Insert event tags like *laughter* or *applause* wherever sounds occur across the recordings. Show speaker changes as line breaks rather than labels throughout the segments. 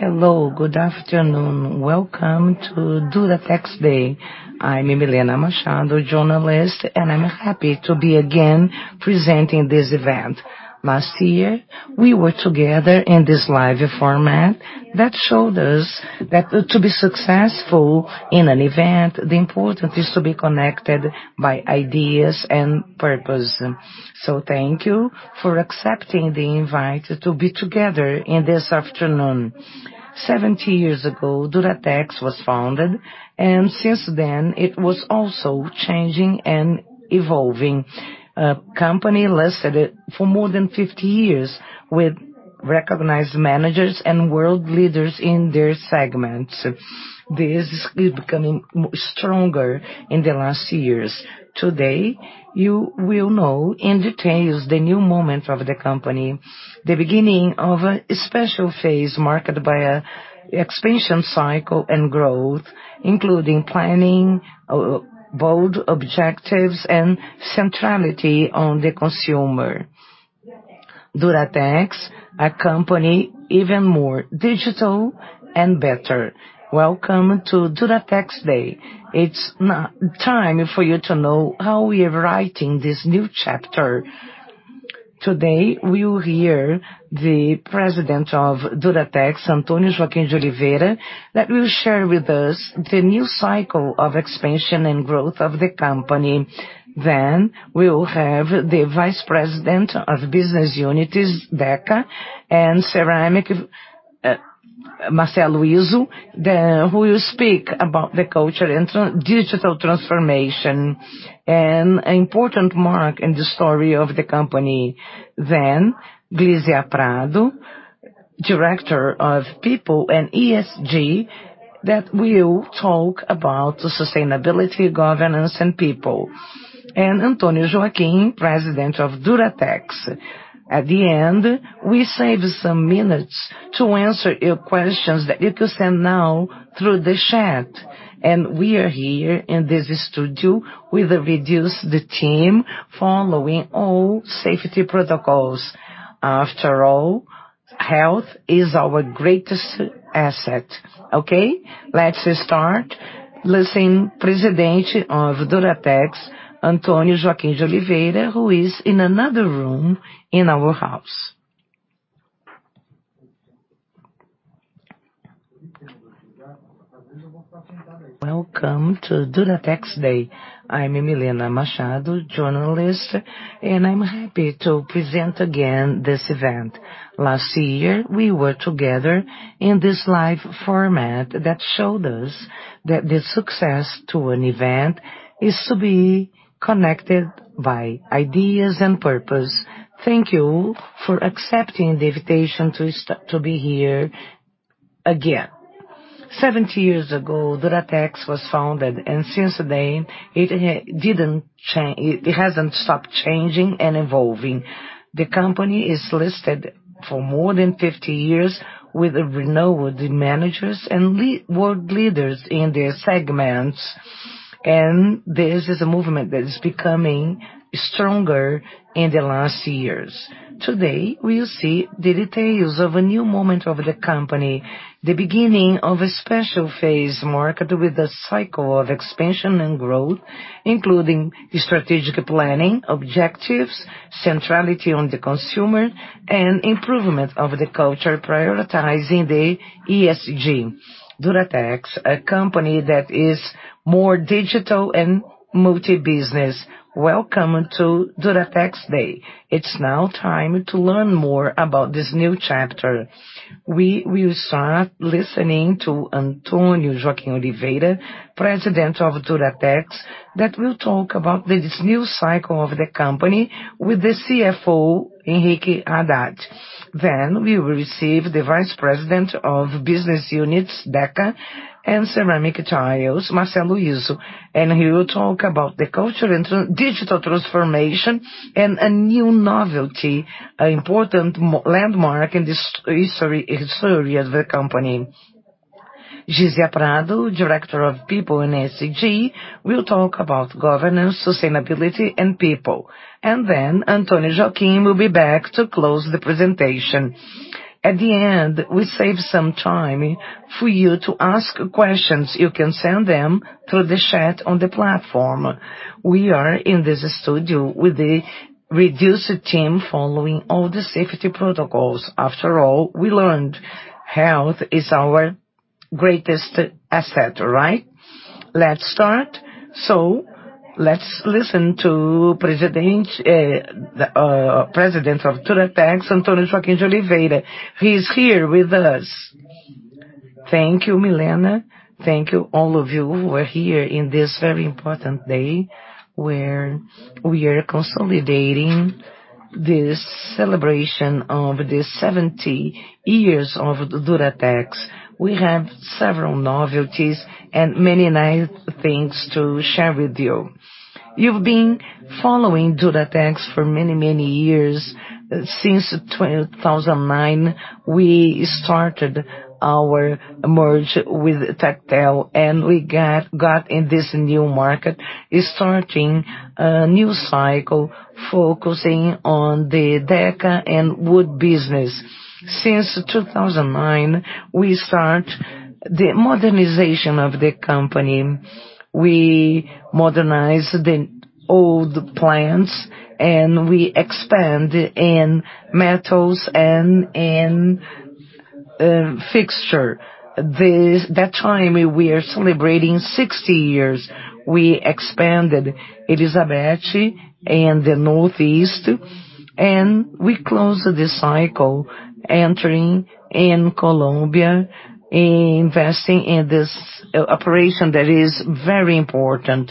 Hello, good afternoon. Welcome to Duratex Day. I'm Millena Machado, journalist, and I'm happy to be again presenting this event. Last year, we were together in this live format that showed us that to be successful in an event, the important is to be connected by ideas and purpose. Thank you for accepting the invite to be together in this afternoon. 70 years ago, Duratex was founded, and since then it was also changing and evolving. A company listed for more than 50 years with recognized managers and world leaders in their segments. This is becoming stronger in the last years. Today, you will know in details the new moment of the company, the beginning of a special phase marked by an expansion cycle and growth, including planning, bold objectives, and centrality on the consumer. Duratex, a company even more digital and better. Welcome to Duratex Day. It's now time for you to know how we are writing this new chapter. Today, we'll hear the President of Duratex, Antonio Joaquim de Oliveira, that will share with us the new cycle of expansion and growth of the company. We will have the Vice President of business units, Deca and ceramic, Marcelo Izzo, who will speak about the culture and digital transformation, an important mark in the story of the company. Glizia Prado, Director of People and ESG, that will talk about sustainability, governance, and people. Antonio Joaquim, President of Duratex. At the end, we save some minutes to answer your questions that you can send now through the chat. We are here in this studio with a reduced team following all safety protocols. After all, health is our greatest asset. Okay? Let's start listening president of Duratex, Antonio Joaquim de Oliveira, who is in another room in our house.
Thank you, Millena. Thank you all of you who are here in this very important day where we are consolidating this celebration of the 70 years of Duratex. We have several novelties and many nice things to share with you. You've been following Duratex for many years. Since 2009, we started our merge with Satipel and we got in this new market, starting a new cycle focusing on the Deca and wood business. Since 2009, we start the modernization of the company. We modernized the old plants, we expand in metals and in fixture. That time, we are celebrating 60 years. We expanded Elizabeth and the Northeast, we closed this cycle entering in Colombia, investing in this operation that is very important.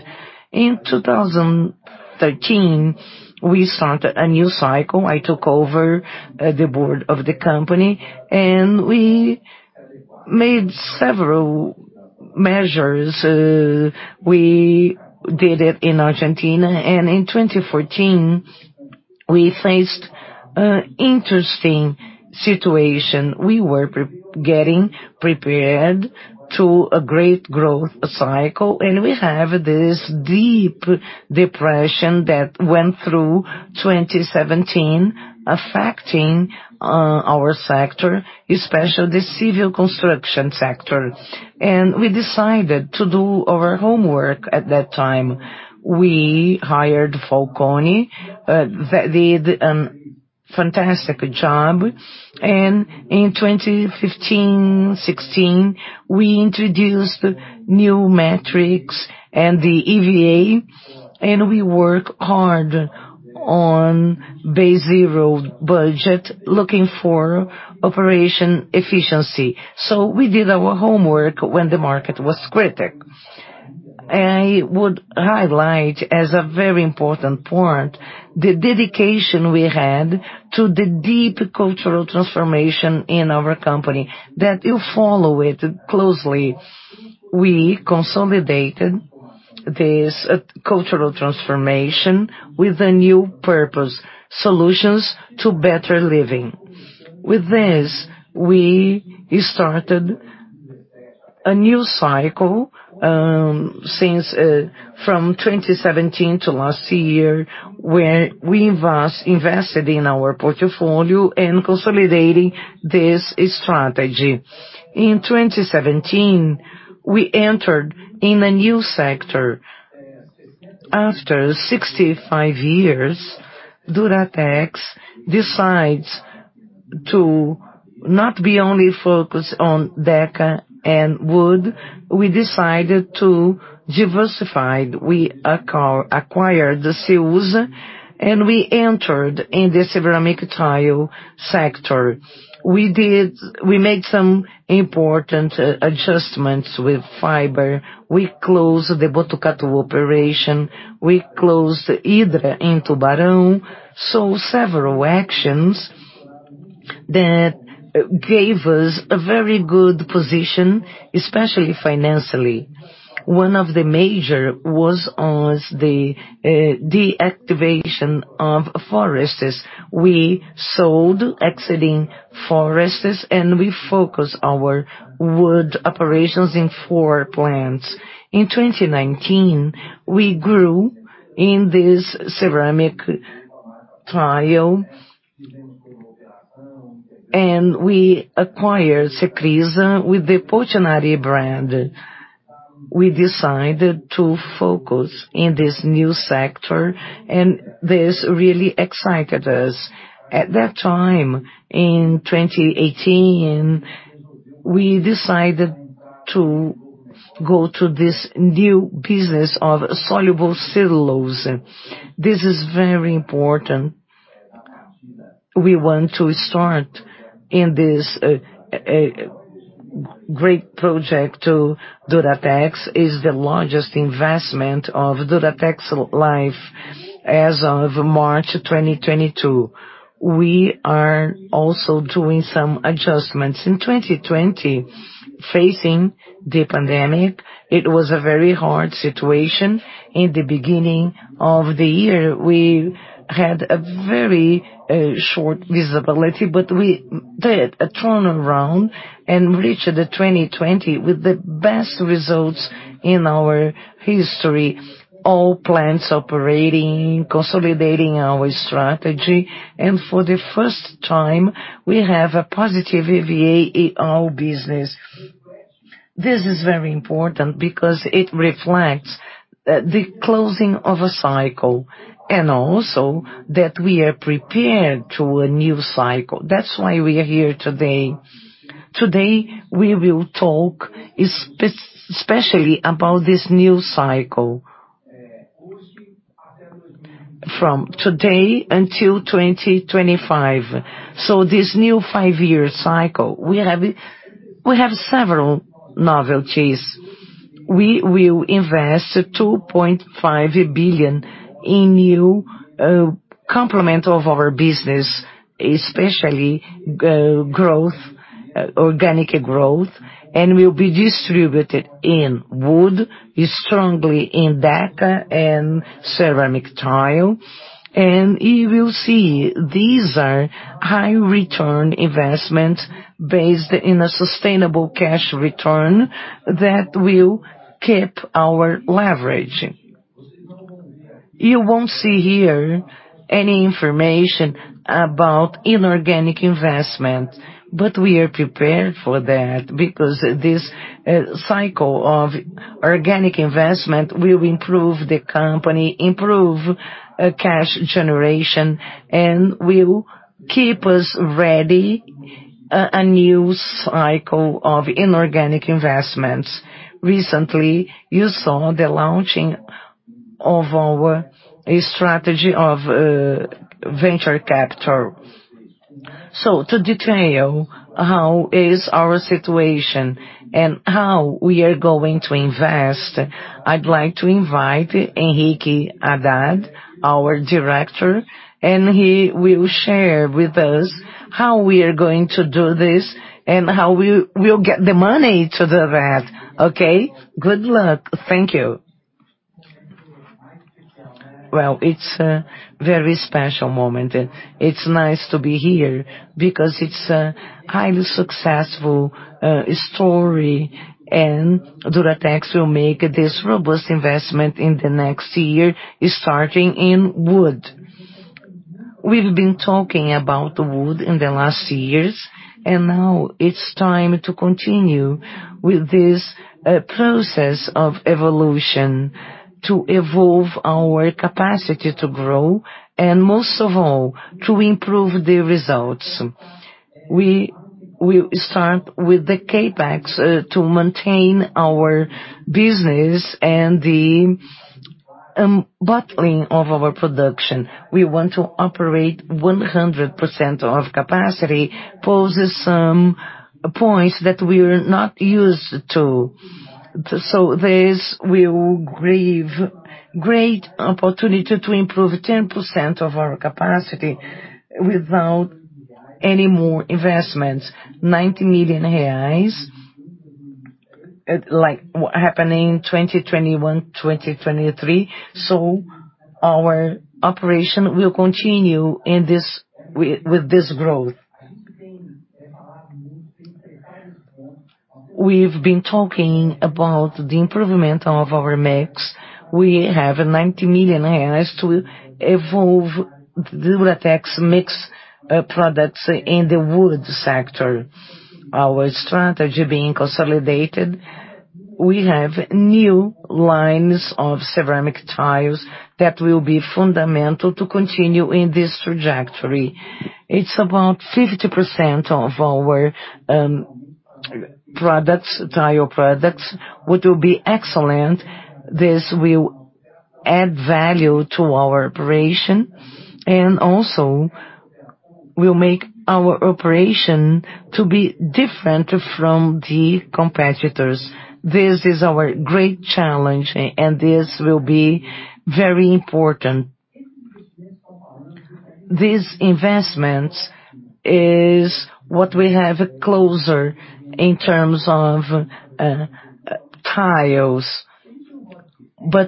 In 2013, we started a new cycle. I took over the board of the company, we made several measures. We did it in Argentina, in 2014, we faced an interesting situation. We were getting prepared to a great growth cycle, we have this deep depression that went through 2017 affecting our sector, especially the civil construction sector. We decided to do our homework at that time. We hired Falconi, that did a fantastic job. In 2015, 2016, we introduced new metrics and the EVA, and we work hard on zero-based budget looking for operation efficiency. We did our homework when the market was critical. I would highlight as a very important point, the dedication we had to the deep cultural transformation in our company that you followed closely. We consolidated this cultural transformation with a new purpose: solutions to better living. With this, we started a new cycle from 2017 to last year, where we invested in our portfolio and consolidating this strategy. In 2017, we entered in a new sector. After 65 years, Duratex decides to not be only focused on Deca and wood. We decided to diversified. We acquired Ceusa, and we entered in the ceramic tile sector. We made some important adjustments with fiber. We closed the Botucatu operation. We closed Hydra in Tubarão. Several actions that gave us a very good position, especially financially. One of the major was on the deactivation of forests. We sold exiting forests, and we focus our wood operations in four plants. In 2019, we grew in this ceramic tile, and we acquired Cecrisa with the Portinari brand. We decided to focus in this new sector, and this really excited us. At that time, in 2018, we decided to go to this new business of soluble cellulose. This is very important. We want to start in this great project to Duratex, is the largest investment of Duratex life as of March 2022. We are also doing some adjustments. In 2020, facing the pandemic, it was a very hard situation. In the beginning of the year, we had a very short visibility, we did a turnaround and reached the 2020 with the best results in our history. All plants operating, consolidating our strategy. For the first time, we have a positive EVA in our business. This is very important because it reflects the closing of a cycle and also that we are prepared to a new cycle. That's why we are here today. Today, we will talk especially about this new cycle from today until 2025. This new five-year cycle, we have several novelties. We will invest 2.5 billion in new complement of our business, especially growth organic growth and will be distributed in wood, strongly in Deca and ceramic tile. You will see these are high return investments based in a sustainable cash return that will keep our leverage. You won't see here any information about inorganic investment. We are prepared for that because this cycle of organic investment will improve the company, improve cash generation, and will keep us ready a new cycle of inorganic investments. Recently, you saw the launching of our strategy of venture capital. To detail how is our situation and how we are going to invest, I'd like to invite Henrique Haddad, our Director, and he will share with us how we are going to do this and how we will get the money to do that. Okay. Good luck. Thank you.
It's a very special moment and it's nice to be here because it's a highly successful story and Duratex will make this robust investment in the next year, starting in wood. We've been talking about wood in the last years. Now it is time to continue with this process of evolution to evolve our capacity to grow and most of all, to improve the results. We will start with the CapEx to maintain our business and the bottling of our production. We want to operate 100% of capacity poses some points that we are not used to. This will give great opportunity to improve 10% of our capacity without any more investments, 90 million reais, like what happening 2021, 2023. Our operation will continue with this growth. We have been talking about the improvement of our mix. We have 90 million reais to evolve Duratex mix products in the wood sector. Our strategy being consolidated, we have new lines of ceramic tiles that will be fundamental to continue in this trajectory. It's about 50% of our tile products, which will be excellent. This will add value to our operation and also will make our operation to be different from the competitors. This is our great challenge and this will be very important. These investments is what we have closer in terms of tiles.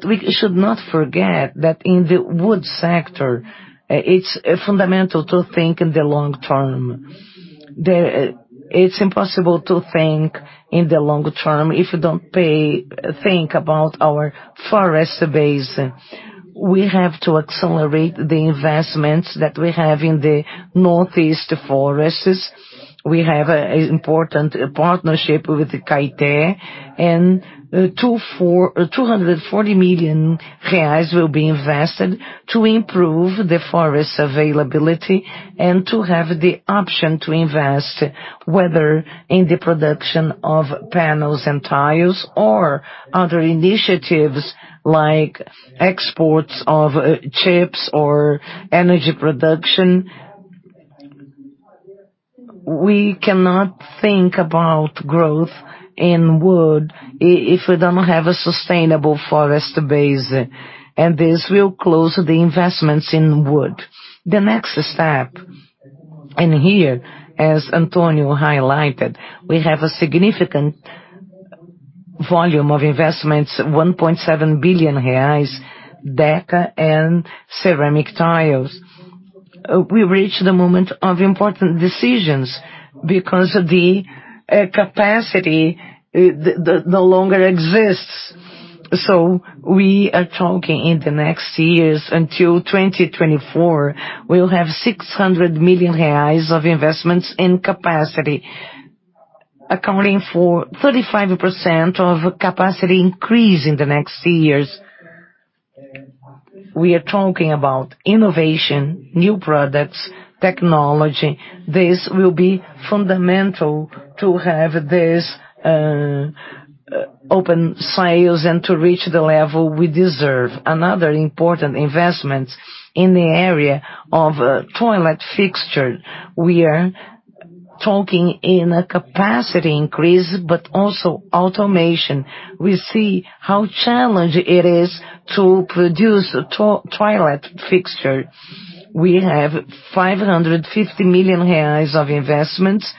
We should not forget that in the wood sector, it's fundamental to think in the long term. It's impossible to think in the long term if you don't think about our forest base. We have to accelerate the investments that we have in the northeast forests. We have an important partnership with the Caeté. 240 million reais will be invested to improve the forest availability and to have the option to invest, whether in the production of panels and tiles or other initiatives like exports of chips or energy production. We cannot think about growth in wood if we don't have a sustainable forest base. This will close the investments in wood. The next step, here, as Antonio highlighted, we have a significant volume of investments, 1.7 billion reais, Deca and ceramic tiles. We reach the moment of important decisions because the capacity no longer exists. We are talking in the next years until 2024, we will have 600 million reais of investments in capacity. Accounting for 35% of capacity increase in the next years. We are talking about innovation, new products, technology. This will be fundamental to have this open sales and to reach the level we deserve. Another important investment in the area of toilet fixture. We are talking in a capacity increase, but also automation. We see how challenging it is to produce a toilet fixture. We have 550 million reais of investments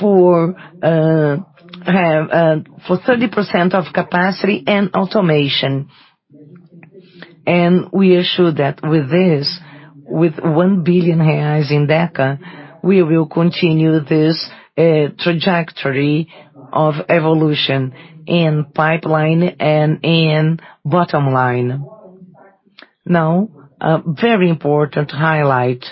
for 30% of capacity and automation. We are sure that with this, with 1 billion reais in Deca, we will continue this trajectory of evolution in pipeline and in bottom line. A very important highlight.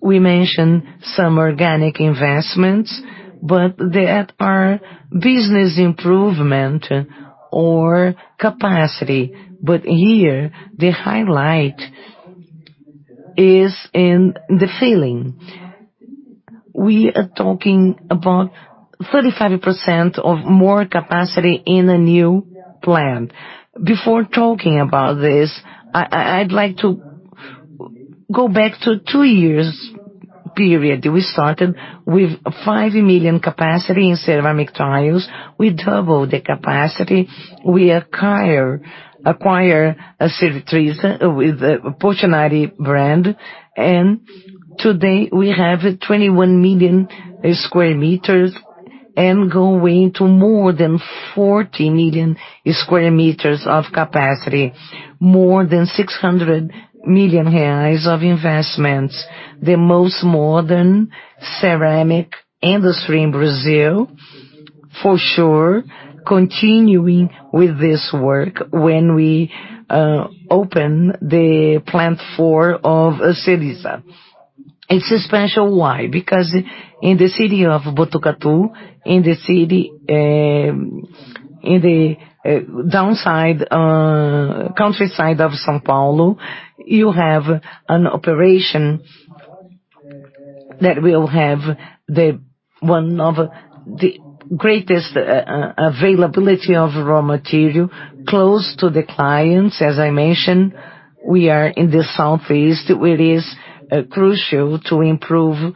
We mentioned some organic investments, they are business improvement or capacity. Here, the highlight is in the filling. We are talking about 35% of more capacity in a new plant. Before talking about this, I'd like to go back to two years period. We started with a five million capacity in ceramic tiles. We doubled the capacity. We acquire Cecrisa with the Portinari brand, today we have 21 million sq m and growing to more than 40 million sq m of capacity. More than 600 million reais of investments. The most modern ceramic industry in Brazil, for sure, continuing with this work when we open the plant four of Cecrisa. It's special, why? Because in the city of Botucatu, in the countryside of São Paulo, you have an operation that will have one of the greatest availability of raw material close to the clients. As I mentioned, we are in the Southeast, where it is crucial to improve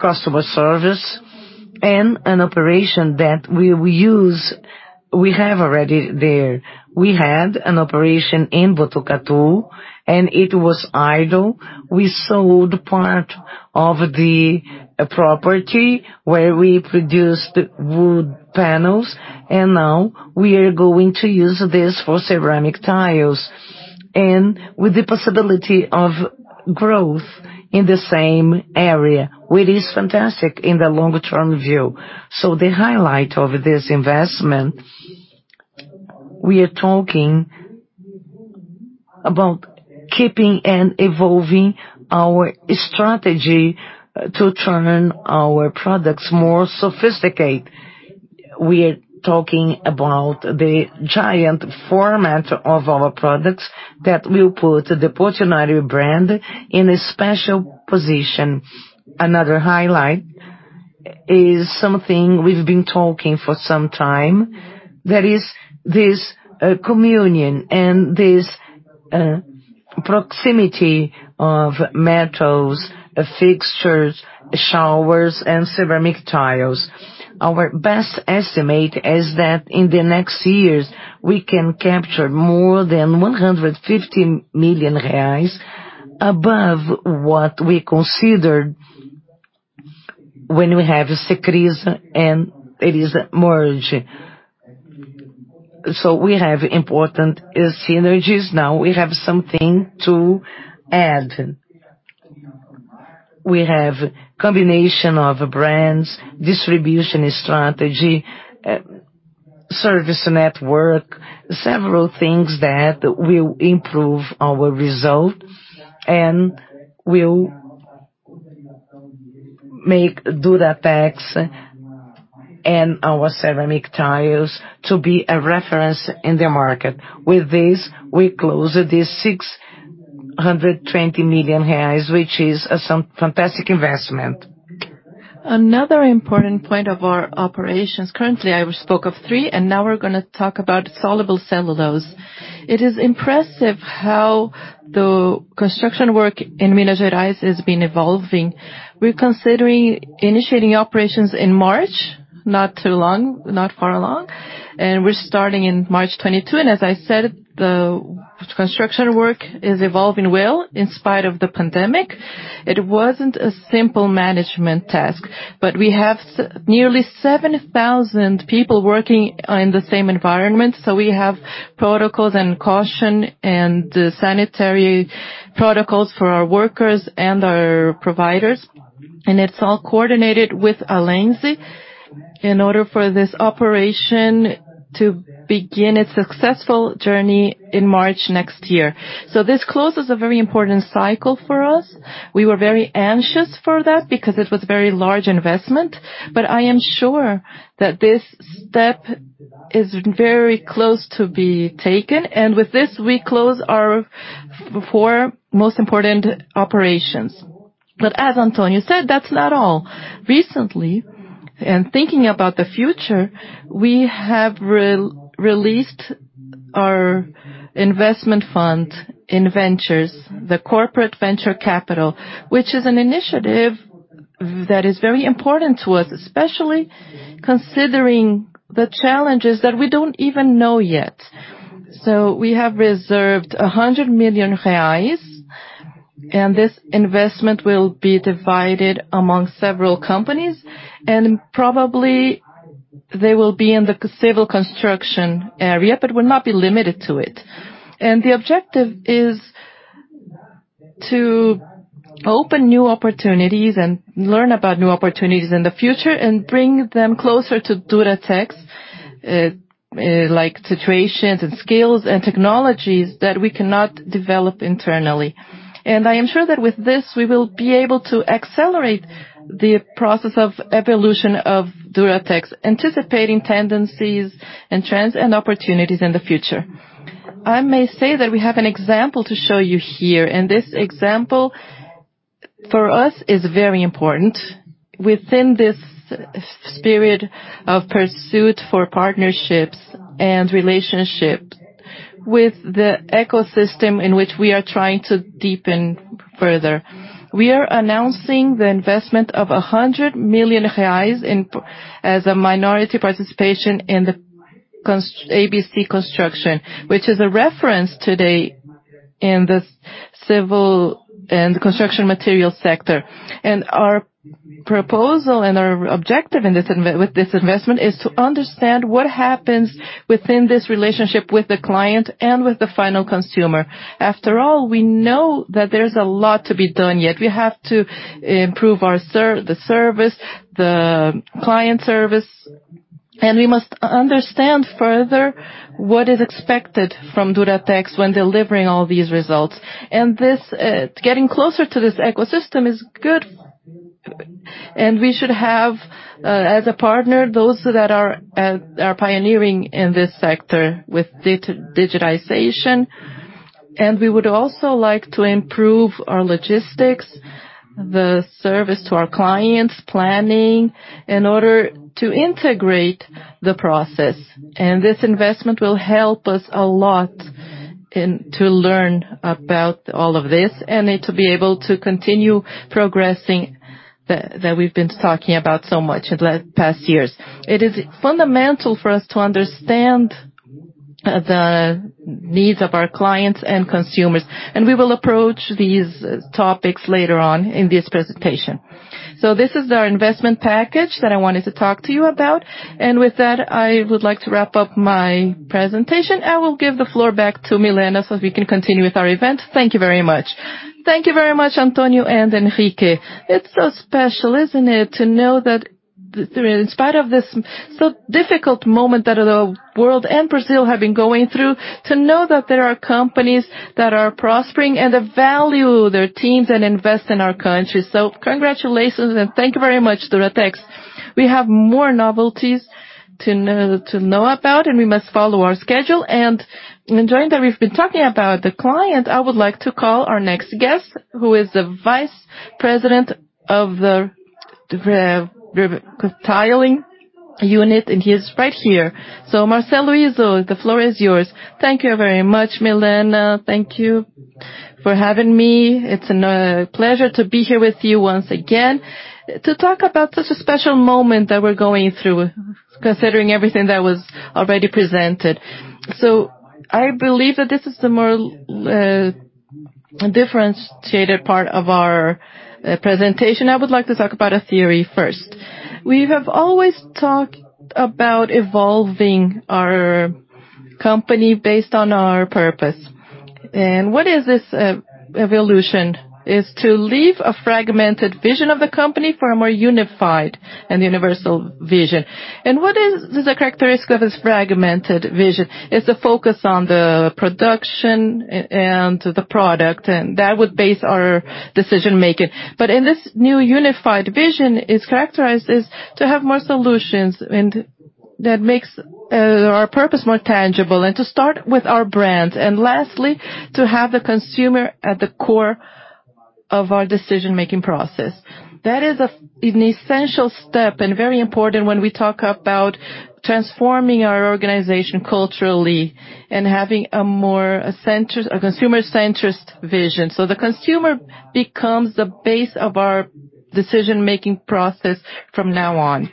customer service and an operation that we will use, we have already there. We had an operation in Botucatu, and it was idle. We sold part of the property where we produced wood panels, and now we are going to use this for ceramic tiles. With the possibility of growth in the same area, where it is fantastic in the longer-term view. The highlight of this investment, we are talking about keeping and evolving our strategy to turn our products more sophisticated. We are talking about the giant format of our products that will put the Portinari brand in a special position. Another highlight is something we've been talking for some time. There is this communion and this proximity of metals, fixtures, showers, and ceramic tiles. Our best estimate is that in the next years, we can capture more than 150 million reais above what we considered when we have Cecrisa and it is merged. We have important synergies now. We have something to add. We have combination of brands, distribution strategy, service network, several things that will improve our result and will make Duratex and our ceramic tiles to be a reference in the market. With this, we close this 620 million reais, which is a fantastic investment. Another important point of our operations currently, I spoke of three. Now we're going to talk about soluble cellulose. It is impressive how the construction work in Minas Gerais has been evolving. We're considering initiating operations in March, not far along. We're starting in March 2022. As I said, the construction work is evolving well in spite of the pandemic. It wasn't a simple management task, but we have nearly 7,000 people working in the same environment. We have protocols and caution and sanitary protocols for our workers and our providers. It's all coordinated with Lenzing in order for this operation to begin its successful journey in March 2022. This closes a very important cycle for us. We were very anxious for that because it was a very large investment. I am sure that this step is very close to be taken. With this, we close our four most important operations. As Antonio said, that's not all. Recently, and thinking about the future, we have released our investment fund in ventures, the corporate venture capital. It is an initiative that is very important to us, especially considering the challenges that we don't even know yet. We have reserved 100 million reais, this investment will be divided among several companies, probably they will be in the civil construction area, will not be limited to it. The objective is to open new opportunities and learn about new opportunities in the future and bring them closer to Duratex, like situations and skills and technologies that we cannot develop internally. I am sure that with this, we will be able to accelerate the process of evolution of Duratex, anticipating tendencies and trends and opportunities in the future. I may say that we have an example to show you here, this example, for us, is very important within this spirit of pursuit for partnerships and relationship with the ecosystem in which we are trying to deepen further. We are announcing the investment of 100 million reais as a minority participation in the ABC da Construção, which is a reference today in this civil and construction material sector. Our proposal and our objective with this investment is to understand what happens within this relationship with the client and with the final consumer. After all, we know that there's a lot to be done, yet we have to improve the service, the client service, and we must understand further what is expected from Duratex when delivering all these results. Getting closer to this ecosystem is good, and we should have, as a partner, those that are pioneering in this sector with digitization. We would also like to improve our logistics, the service to our clients, planning, in order to integrate the process. This investment will help us a lot to learn about all of this and to be able to continue progressing that we've been talking about so much in the past years. It is fundamental for us to understand the needs of our clients and consumers, and we will approach these topics later on in this presentation. This is our investment package that I wanted to talk to you about. With that, I would like to wrap up my presentation. I will give the floor back to Millena, so we can continue with our event. Thank you very much.
Thank you very much, Antonio and Henrique. It's so special, isn't it, to know that in spite of this so difficult moment that the world and Brazil have been going through, to know that there are companies that are prospering and that value their teams and invest in our country. Congratulations and thank you very much, Duratex. We have more novelties to know about, and we must follow our schedule. During that, we've been talking about the client. I would like to call our next guest, who is the vice president of the tiling unit, and he is right here. Marcelo Izzo, the floor is yours.
Thank you very much, Millena. Thank you for having me. It's a pleasure to be here with you once again to talk about this special moment that we're going through, considering everything that was already presented. I believe that this is the more differentiated part of our presentation. I would like to talk about a theory first. We have always talked about evolving our company based on our purpose. What is this evolution? It is to leave a fragmented vision of the company for a more unified and universal vision. What is the characteristic of this fragmented vision? It's the focus on the production and the product, and that would base our decision-making. In this new unified vision, it's characterized as to have more solutions, and that makes our purpose more tangible, and to start with our brands. Lastly, to have the consumer at the core of our decision-making process. That is an essential step and very important when we talk about transforming our organization culturally and having a more consumer-centric vision. The consumer becomes the base of our decision-making process from now on.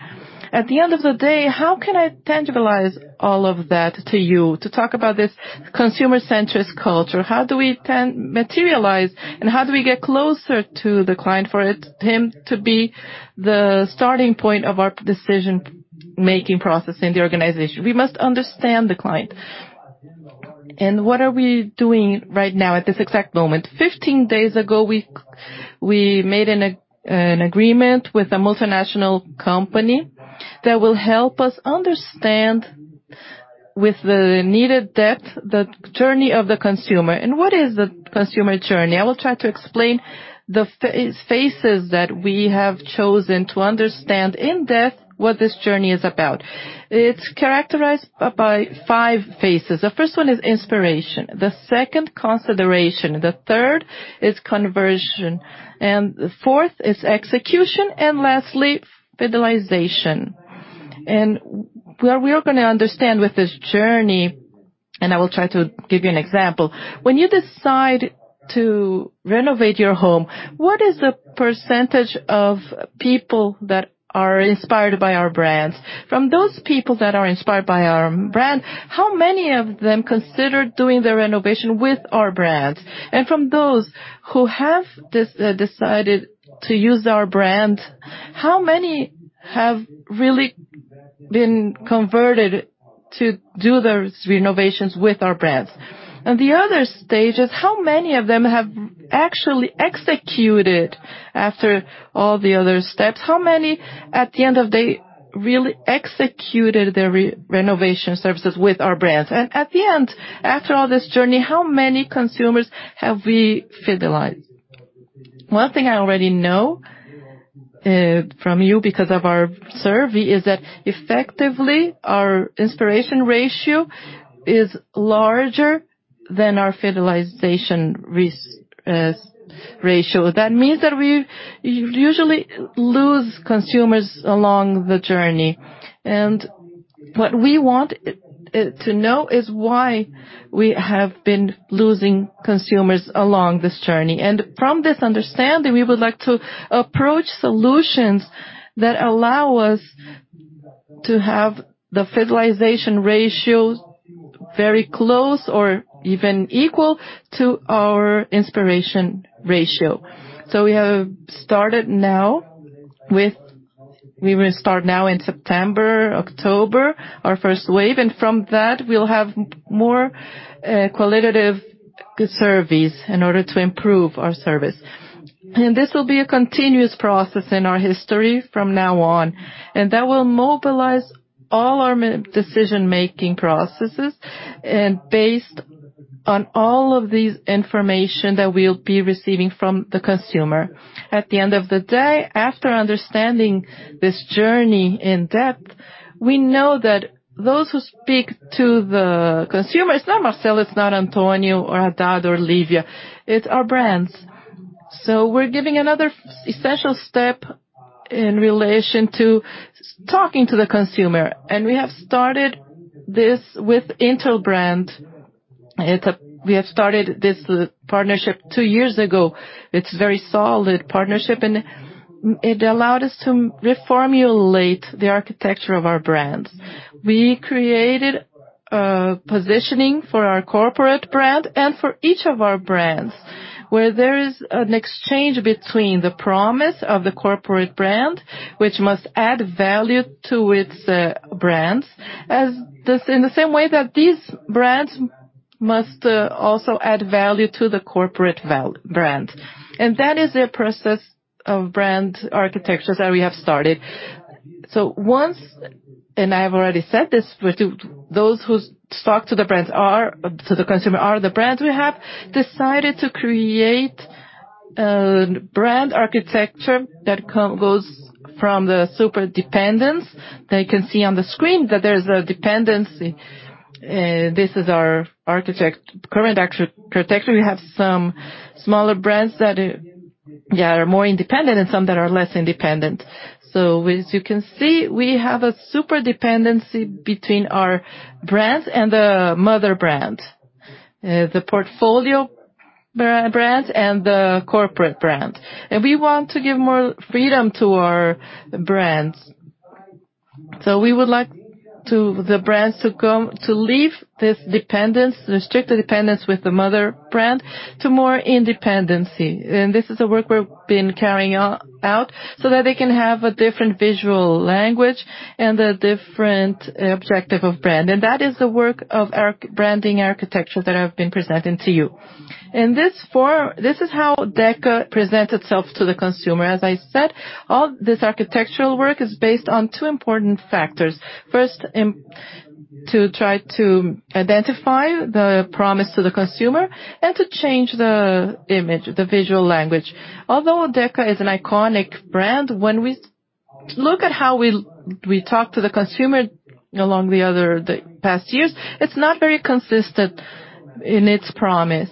At the end of the day, how can I tangibilize all of that to you to talk about this consumer-centric culture? How do we materialize, and how do we get closer to the client for him to be the starting point of our decision-making process in the organization? We must understand the client. What are we doing right now at this exact moment? 15 days ago, we made an agreement with a multinational company that will help us understand with the needed depth, the journey of the consumer. What is the consumer journey? I will try to explain the phases that we have chosen to understand in depth what this journey is about. It's characterized by five phases. The first one is inspiration, the second, consideration, the third is conversion, the fourth is execution, lastly, fidelization. We are going to understand with this journey, I will try to give you an example. When you decide to renovate your home, what is the percentage of people that are inspired by our brands? From those people that are inspired by our brand, how many of them considered doing the renovation with our brands? From those who have decided to use our brand, how many have really been converted to do those renovations with our brands? The other stage is how many of them have actually executed after all the other steps. How many, at the end of the day, really executed their renovation services with our brands. At the end, after all this journey, how many consumers have we fidelized? One thing I already know from you because of our survey is that effectively, our inspiration ratio is larger than our fidelization ratio. That means that we usually lose consumers along the journey. What we want to know is why we have been losing consumers along this journey. From this understanding, we would like to approach solutions that allow us to have the fidelization ratio very close or even equal to our inspiration ratio. We will start now in September, October, our first wave. From that, we'll have more qualitative surveys in order to improve our service. This will be a continuous process in our history from now on, and that will mobilize all our decision-making processes and based on all of this information that we'll be receiving from the consumer. At the end of the day, after understanding this journey in depth, we know that those who speak to the consumer, it's not Marcelo, it's not Antonio or Haddad or Glizia. It's our brands. We're giving another essential step in relation to talking to the consumer. We have started this with Interbrand. We have started this partnership two years ago. It's very solid partnership, and it allowed us to reformulate the architecture of our brands. We created a positioning for our corporate brand and for each of our brands, where there is an exchange between the promise of the corporate brand, which must add value to its brands, in the same way that these brands must also add value to the corporate brand. That is a process of brand architectures that we have started. I've already said this, those whose speak to the consumer are the brands we have decided to create a brand architecture that goes from the super-dependence. There you can see on the screen that there's a dependence. This is our current architecture. We have some smaller brands that are more independent and some that are less independent. As you can see, we have a super-dependence between our brands and the mother brand, the portfolio brands and the corporate brand. We want to give more freedom to our brands. We would like the brands to leave this dependence, the strict dependence with the mother brand to more independence. This is a work we've been carrying out so that they can have a different visual language and a different brand objective. That is the work of our branding architecture that I've been presenting to you. This is how Deca presents itself to the consumer. As I said, all this architectural work is based on two important factors. First, to try to identify the promise to the consumer and to change the image, the visual language. Although Deca is an iconic brand, when we look at how we talk to the consumer along the past years, it's not very consistent in its promise.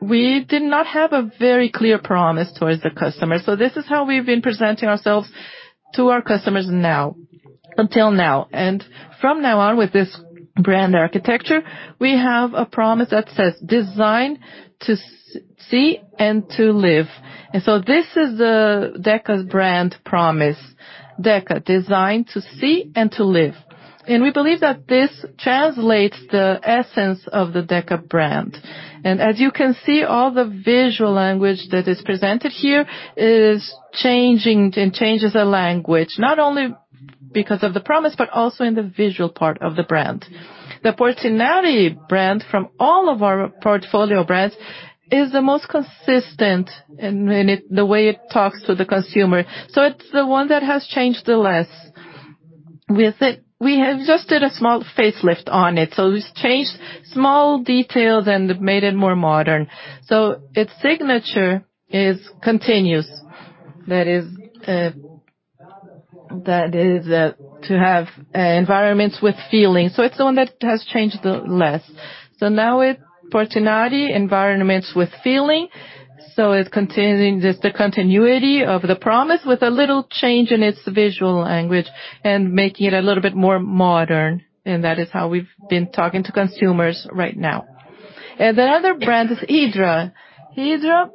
We did not have a very clear promise towards the customer. This is how we've been presenting ourselves to our customers until now. From now on, with this brand architecture, we have a promise that says, "Design to see and to live." This is Deca's brand promise. Deca, designed to see and to live. We believe that this translates the essence of the Deca brand. As you can see, all the visual language that is presented here changes the language, not only because of the promise, but also in the visual part of the brand. The Portinari brand from all of our portfolio brands is the most consistent in the way it talks to the consumer. It's the one that has changed the less with it. We have just did a small facelift on it. We've changed small details and made it more modern. Its signature is continuous. That is to have environments with feeling. It's the one that has changed the less. Now with Portinari, environments with feeling. It's continuing just the continuity of the promise with a little change in its visual language and making it a little bit more modern, and that is how we've been talking to consumers right now. The other brand is Hydra. Hydra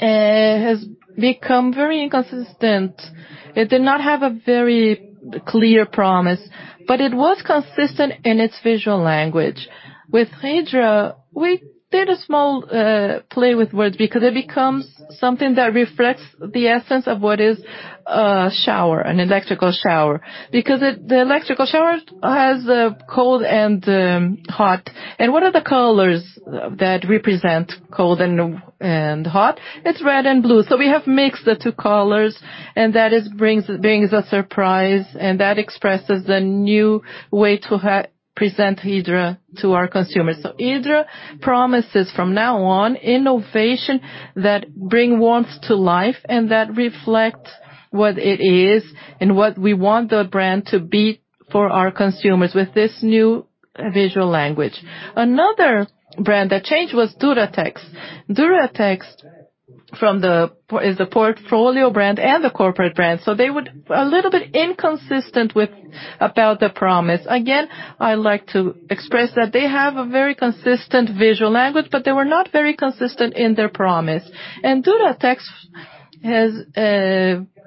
has become very inconsistent. It did not have a very clear promise, but it was consistent in its visual language. With Hydra, we did a small play with words because it becomes something that reflects the essence of what is a shower, an electrical shower. Because the electrical shower has a cold and hot. What are the colors that represent cold and hot? It's red and blue. We have mixed the two colors, and that brings a surprise, and that expresses the new way to present Hydra to our consumers. Hydra promises from now on, innovation that bring warmth to life and that reflect what it is and what we want the brand to be for our consumers with this new visual language. Another brand that changed was Duratex. Duratex is the portfolio brand and the corporate brand, so they were a little bit inconsistent about the promise. Again, I like to express that they have a very consistent visual language, but they were not very consistent in their promise. Duratex,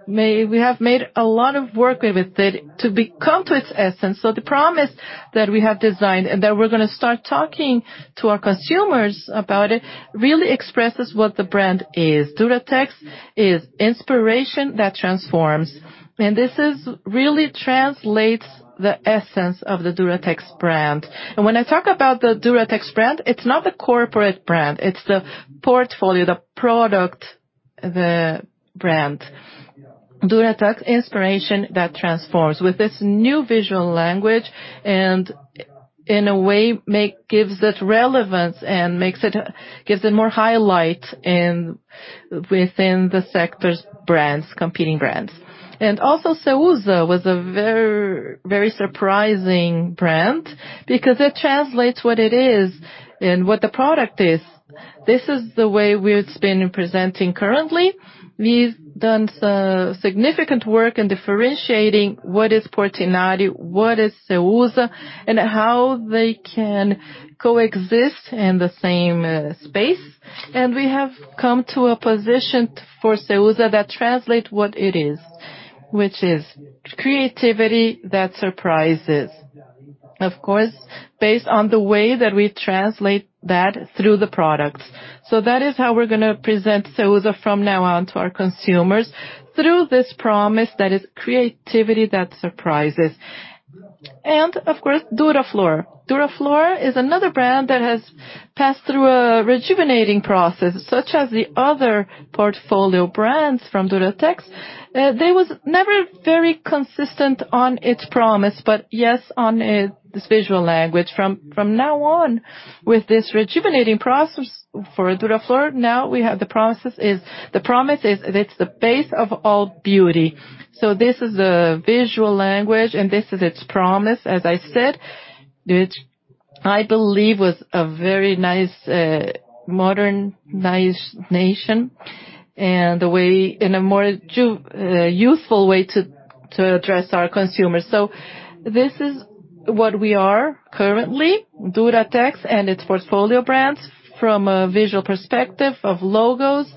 we have made a lot of work with it to come to its essence. The promise that we have designed and that we're going to start talking to our consumers about it, really expresses what the brand is. Duratex is inspiration that transforms. This really translates the essence of the Duratex brand. When I talk about the Duratex brand, it's not the corporate brand, it's the portfolio, the product brand. Duratex, inspiration that transforms with this new visual language, and in a way gives it relevance and gives it more highlight within the sector's competing brands. Also Ceusa was a very surprising brand because it translates what it is and what the product is. This is the way we've been presenting currently. We've done significant work in differentiating what is Portinari, what is Ceusa, and how they can coexist in the same space. We have come to a position for Ceusa that translate what it is, which is creativity that surprises. Of course, based on the way that we translate that through the products. That is how we're going to present Ceusa from now on to our consumers, through this promise that is creativity that surprises. Of course, Durafloor. Durafloor is another brand that has passed through a rejuvenating process, such as the other portfolio brands from Duratex. They was never very consistent on its promise, but yes, on its visual language. From now on with this rejuvenating process for Durafloor, now the promise is, it's the base of all beauty. This is the visual language, and this is its promise, as I said. Which I believe was a very nice, modern innovation, and in a more youthful way to address our consumers. This is what we are currently, Duratex and its portfolio brands from a visual perspective of logos.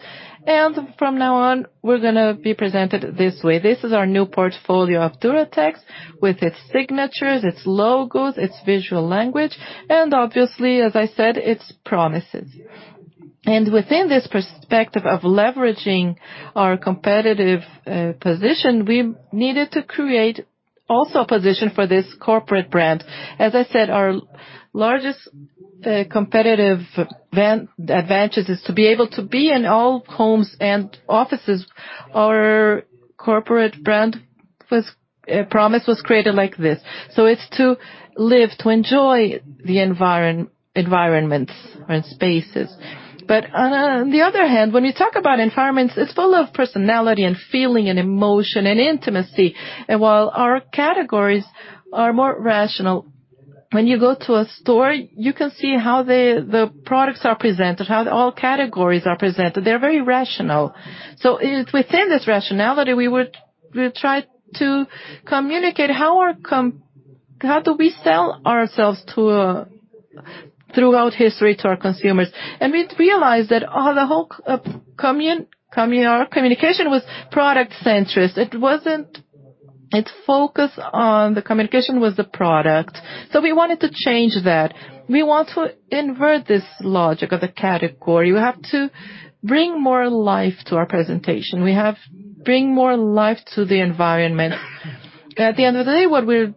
From now on, we're going to be presented this way. This is our new portfolio of Duratex with its signatures, its logos, its visual language, and obviously, as I said, its promises. Within this perspective of leveraging our competitive position, we needed to create also a position for this corporate brand. As I said, our largest competitive advantage is to be able to be in all homes and offices. Our corporate brand promise was created like this. It's to live, to enjoy the environments and spaces. On the other hand, when you talk about environments, it's full of personality and feeling and emotion and intimacy. While our categories are more rational, when you go to a store, you can see how the products are presented, how all categories are presented. They're very rational. Within this rationality, we would try to communicate how do we sell ourselves throughout history to our consumers. We realized that the whole communication was product-centric. Its focus on the communication was the product. We wanted to change that. We want to invert this logic of the category. We have to bring more life to our presentation. We have bring more life to the environment. At the end of the day, what we're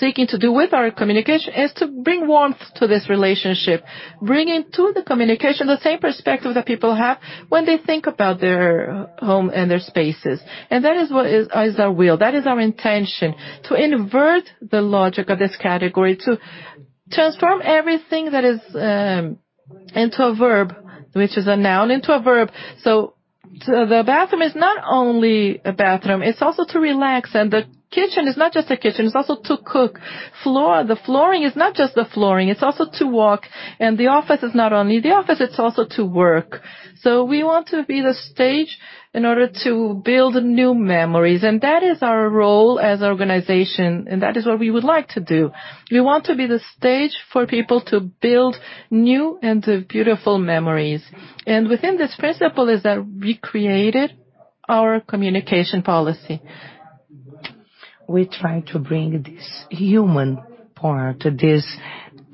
seeking to do with our communication is to bring warmth to this relationship, bringing to the communication the same perspective that people have when they think about their home and their spaces. That is our will, that is our intention. To invert the logic of this category, to transform everything that is into a verb, which is a noun into a verb. The bathroom is not only a bathroom, it's also to relax. The kitchen is not just a kitchen, it's also to cook. The flooring is not just the flooring, it's also to walk. The office is not only the office, it's also to work. We want to be the stage in order to build new memories. That is our role as an organization, and that is what we would like to do. We want to be the stage for people to build new and beautiful memories. Within this principle is that we created our communication policy. We try to bring this human part, this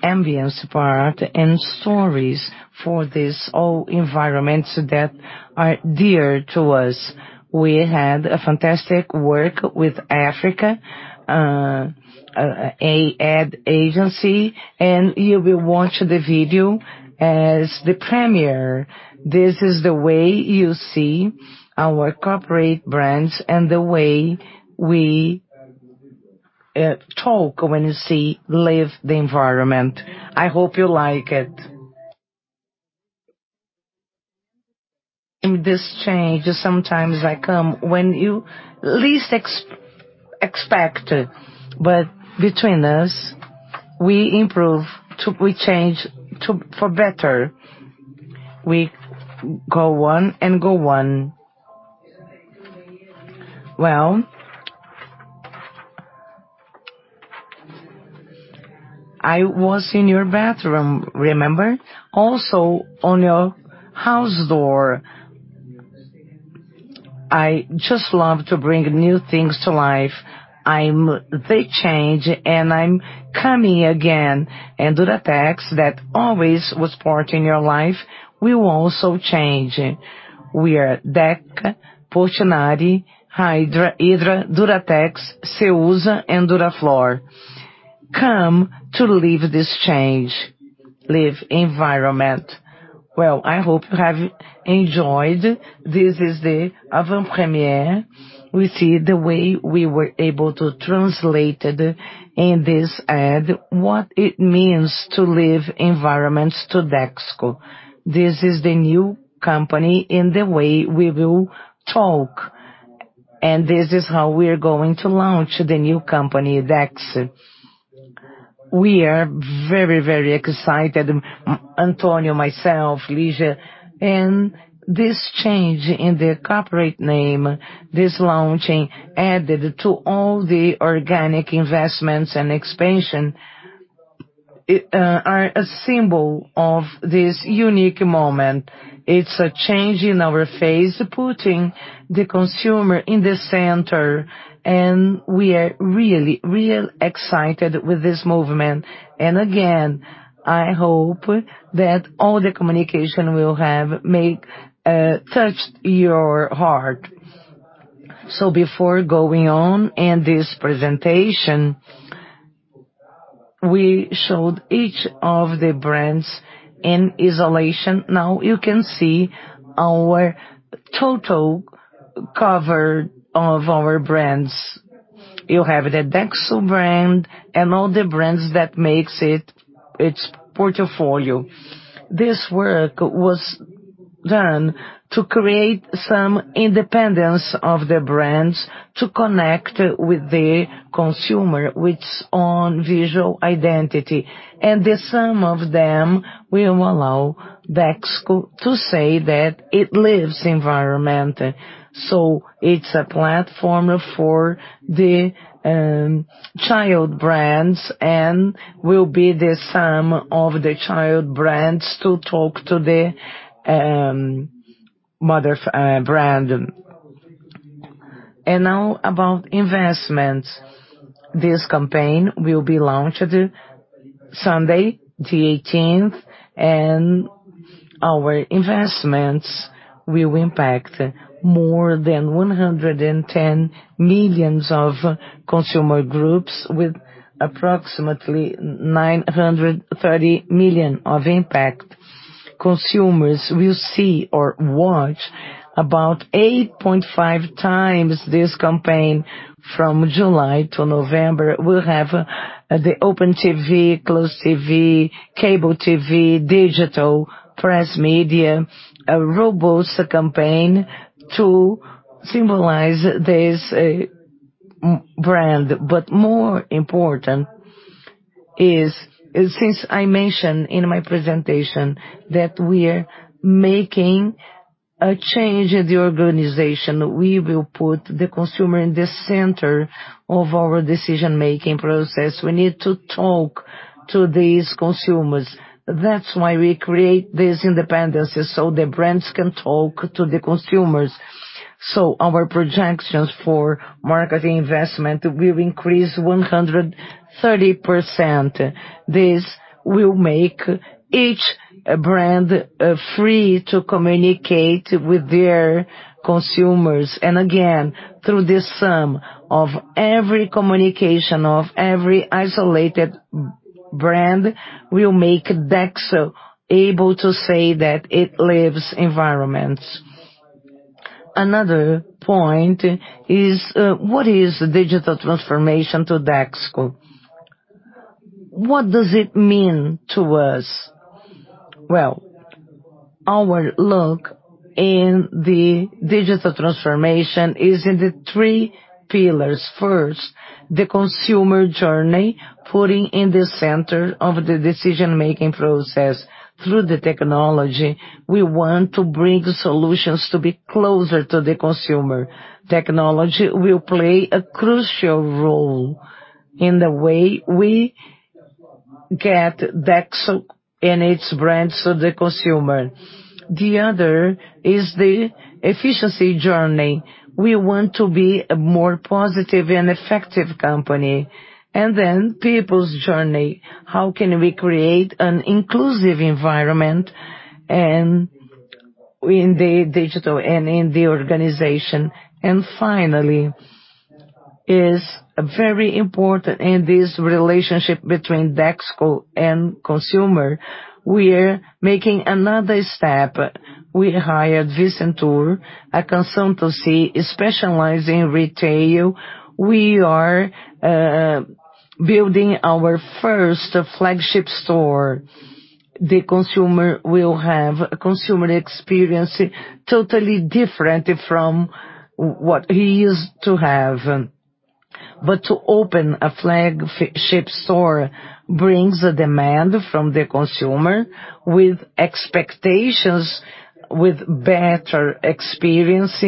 ambience part, and stories for these whole environments that are dear to us. We had a fantastic work with Africa, an ad agency, and you will watch the video as the premiere.
This is the way you see our corporate brands and the way we talk when you see Live the Environment. I hope you like it. This change sometimes come when you least expect it. Between us, we improve, we change for better. We go on and go on. Well, I was in your bathroom, remember? Also on your house door. I just love to bring new things to life. They change, and I'm coming again. Duratex, that always was part in your life, will also change. We are Deca, Portinari, Hydra, Duratex, Ceusa, and Durafloor. Come to live this change. Live Environment.
Well, I hope you have enjoyed. This is the avant-premiere. We see the way we were able to translate in this ad what it means to Live Environments to Dexco. This is the new company and the way we will talk. This is how we're going to launch the new company, Dexco. We are very excited, Antonio, myself, Glizia. This change in the corporate name, this launching, added to all the organic investments and expansion, are a symbol of this unique moment. It's a change in our phase, putting the consumer in the center. We are really excited with this movement. Again, I hope that all the communication will have touched your heart. Before going on in this presentation, we showed each of the brands in isolation. Now you can see our total cover of our brands. You have the Dexco brand and all the brands that makes its portfolio. This work was done to create some independence of the brands to connect with the consumer with its own visual identity. The sum of them will allow Dexco to say that it lives environment. It's a platform for the child brands and will be the sum of the child brands to talk to the mother brand. Now about investments. This campaign will be launched Sunday, the 18th, and our investments will impact more than 110 million of consumer groups with approximately 930 million of impact. Consumers will see or watch about 8.5 times this campaign from July to November. We'll have the open TV, closed TV, cable TV, digital, press media, a robust campaign to symbolize this brand. More important is, since I mentioned in my presentation that we're making a change in the organization. We will put the consumer in the center of our decision-making process. We need to talk to these consumers. That's why we create these independencies, so the brands can talk to the consumers. Our projections for marketing investment will increase 130%. This will make each brand free to communicate with their consumers. Again, through the sum of every communication of every isolated brand will make Dexco able to say that it lives environments. Another point is what is digital transformation to Dexco? What does it mean to us? Well, our look in the digital transformation is in the three pillars. First, the consumer journey, putting in the center of the decision-making process through the technology. We want to bring solutions to be closer to the consumer. Technology will play a crucial role in the way we get Dexco and its brands to the consumer. The other is the efficiency journey. We want to be a more positive and effective company. Then people's journey. How can we create an inclusive environment in the digital and in the organization? Finally, is very important in this relationship between Dexco and consumer, we're making another step. We hired Vicentur, a consultancy specializing in retail. We are building our first flagship store. The consumer will have a consumer experience totally different from what he used to have. To open a flagship store brings a demand from the consumer with expectations, with better experience.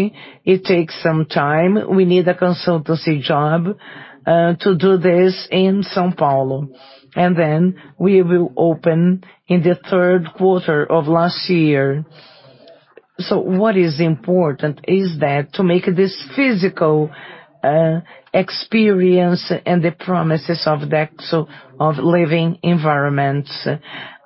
It takes some time. We need a consultancy job to do this in São Paulo, and then we will open in the third quarter of last year. What is important is that to make this physical experience and the promises of Dexco of living environments.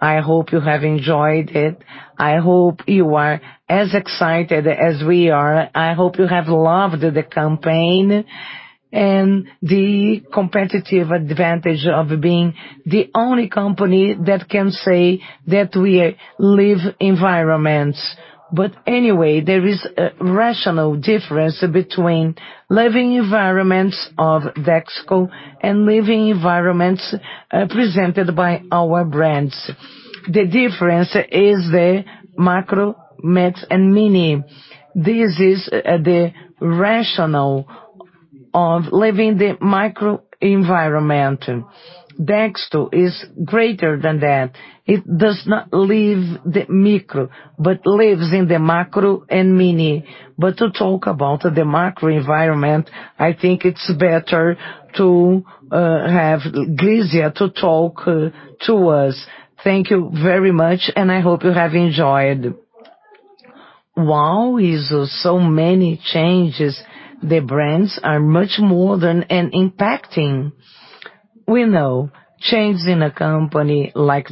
I hope you have enjoyed it. I hope you are as excited as we are. I hope you have loved the campaign and the competitive advantage of being the only company that can say that we live environments. Anyway, there is a rational difference between living environments of Dexco and living environments presented by our brands. The difference is the macro and mini. This is the rationale of living the microenvironment. Dexco is greater than that. It does not live the micro, but lives in the macro and mini. To talk about the macro-environment, I think it's better to have Glizia to talk to us. Thank you very much, and I hope you have enjoyed.
Wow, Izzo, so many changes. The brands are much more than and impacting. We know changes in a company like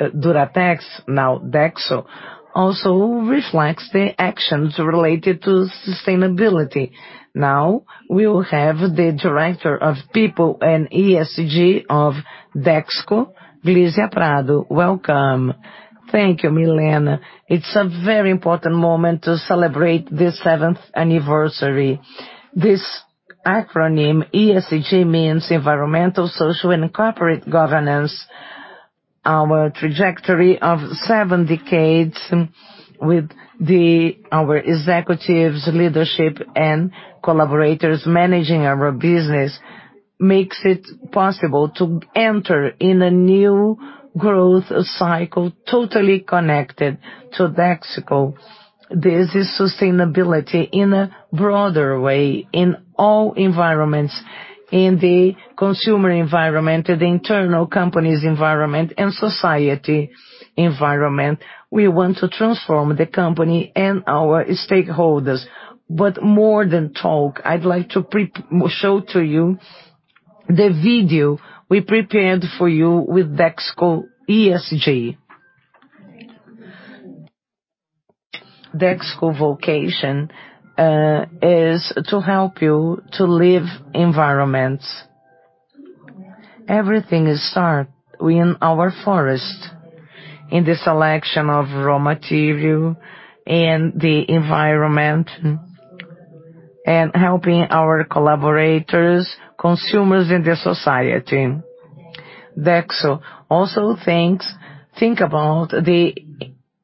Duratex, now Dexco, also reflects the actions related to sustainability. Now, we will have the Director of People and ESG of Dexco, Glizia Prado. Welcome.
Thank you, Millena. It's a very important moment to celebrate this seventh anniversary. This acronym, ESG, means environmental, social, and corporate governance.
Our trajectory of seven decades with our executives, leadership, and collaborators managing our business makes it possible to enter in a new growth cycle totally connected to Dexco. This is sustainability in a broader way in all environments, in the consumer environment, the internal company's environment, and society environment. More than talk, I'd like to show to you the video we prepared for you with Dexco ESG. Dexco vocation is to help you to live environments. Everything starts in our forest, in the selection of raw material and the environment, and helping our collaborators, consumers, and the society. Dexco also think about the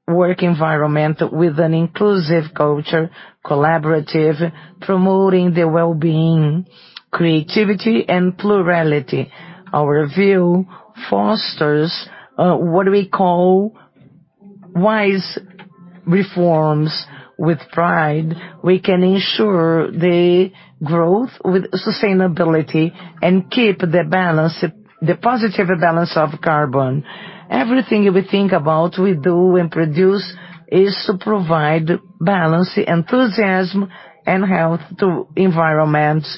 work environment with an inclusive culture, collaborative, promoting the well-being, creativity, and plurality. Our view fosters what we call wise reforms. With pride, we can ensure the growth with sustainability and keep the positive balance of carbon.
Everything we think about, we do and produce is to provide balance, enthusiasm, and health to environments.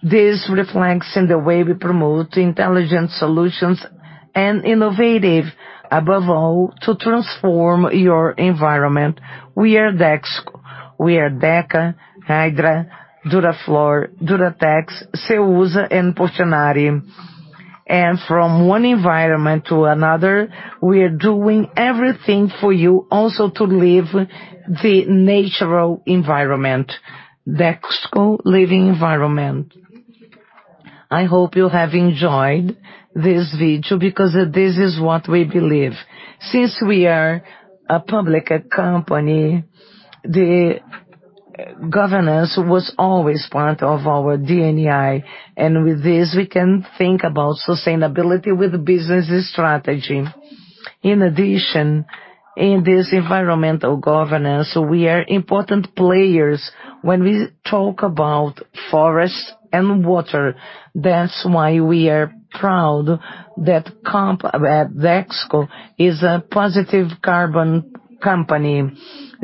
This reflects in the way we promote intelligent solutions and innovative, above all, to transform your environment. We are Dexco. We are Deca, Hydra, Durafloor, Duratex, Ceusa, and Portinari. From one environment to another, we are doing everything for you also to live the natural environment, Dexco living environment. I hope you have enjoyed this video because this is what we believe. Since we are a public company, the governance was always part of our DNA, and with this, we can think about sustainability with business strategy. In addition, in this environmental governance, we are important players when we talk about forest and water. That's why we are proud that Dexco is a positive carbon company.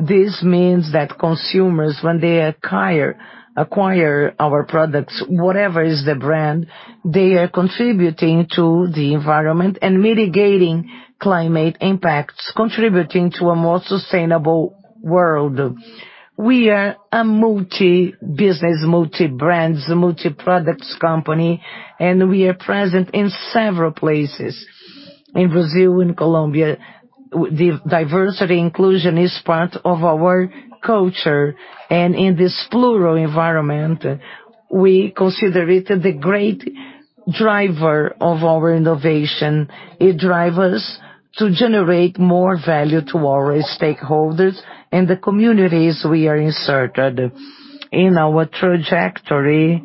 This means that consumers, when they acquire our products, whatever is the brand, they are contributing to the environment and mitigating climate impacts, contributing to a more sustainable world. We are a multi-business, multi-brands, multi-products company, we are present in several places. In Brazil, in Colombia, the diversity inclusion is part of our culture. In this plural environment, we consider it the great driver of our innovation. It drives us to generate more value to our stakeholders and the communities we are inserted. In our trajectory,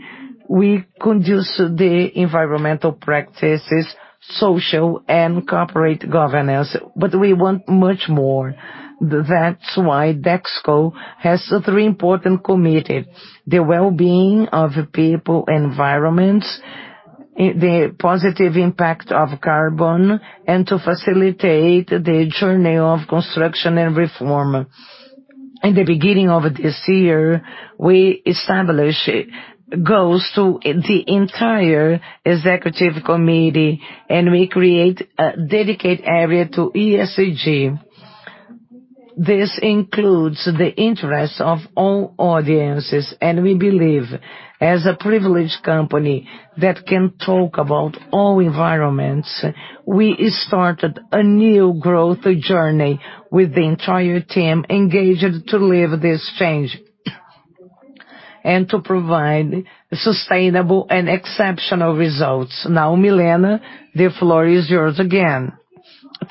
we conduct the environmental practices, social and corporate governance, we want much more. That's why Dexco has three important commitments: the well-being of people, environment, the positive impact of carbon, and to facilitate the journey of construction and reform. In the beginning of this year, we established goals to the entire executive committee, we created a dedicated area to ESG. This includes the interest of all audiences. We believe as a privileged company that can talk about all environments, we started a new growth journey with the entire team engaged to live this change and to provide sustainable and exceptional results. Now, Millena, the floor is yours again.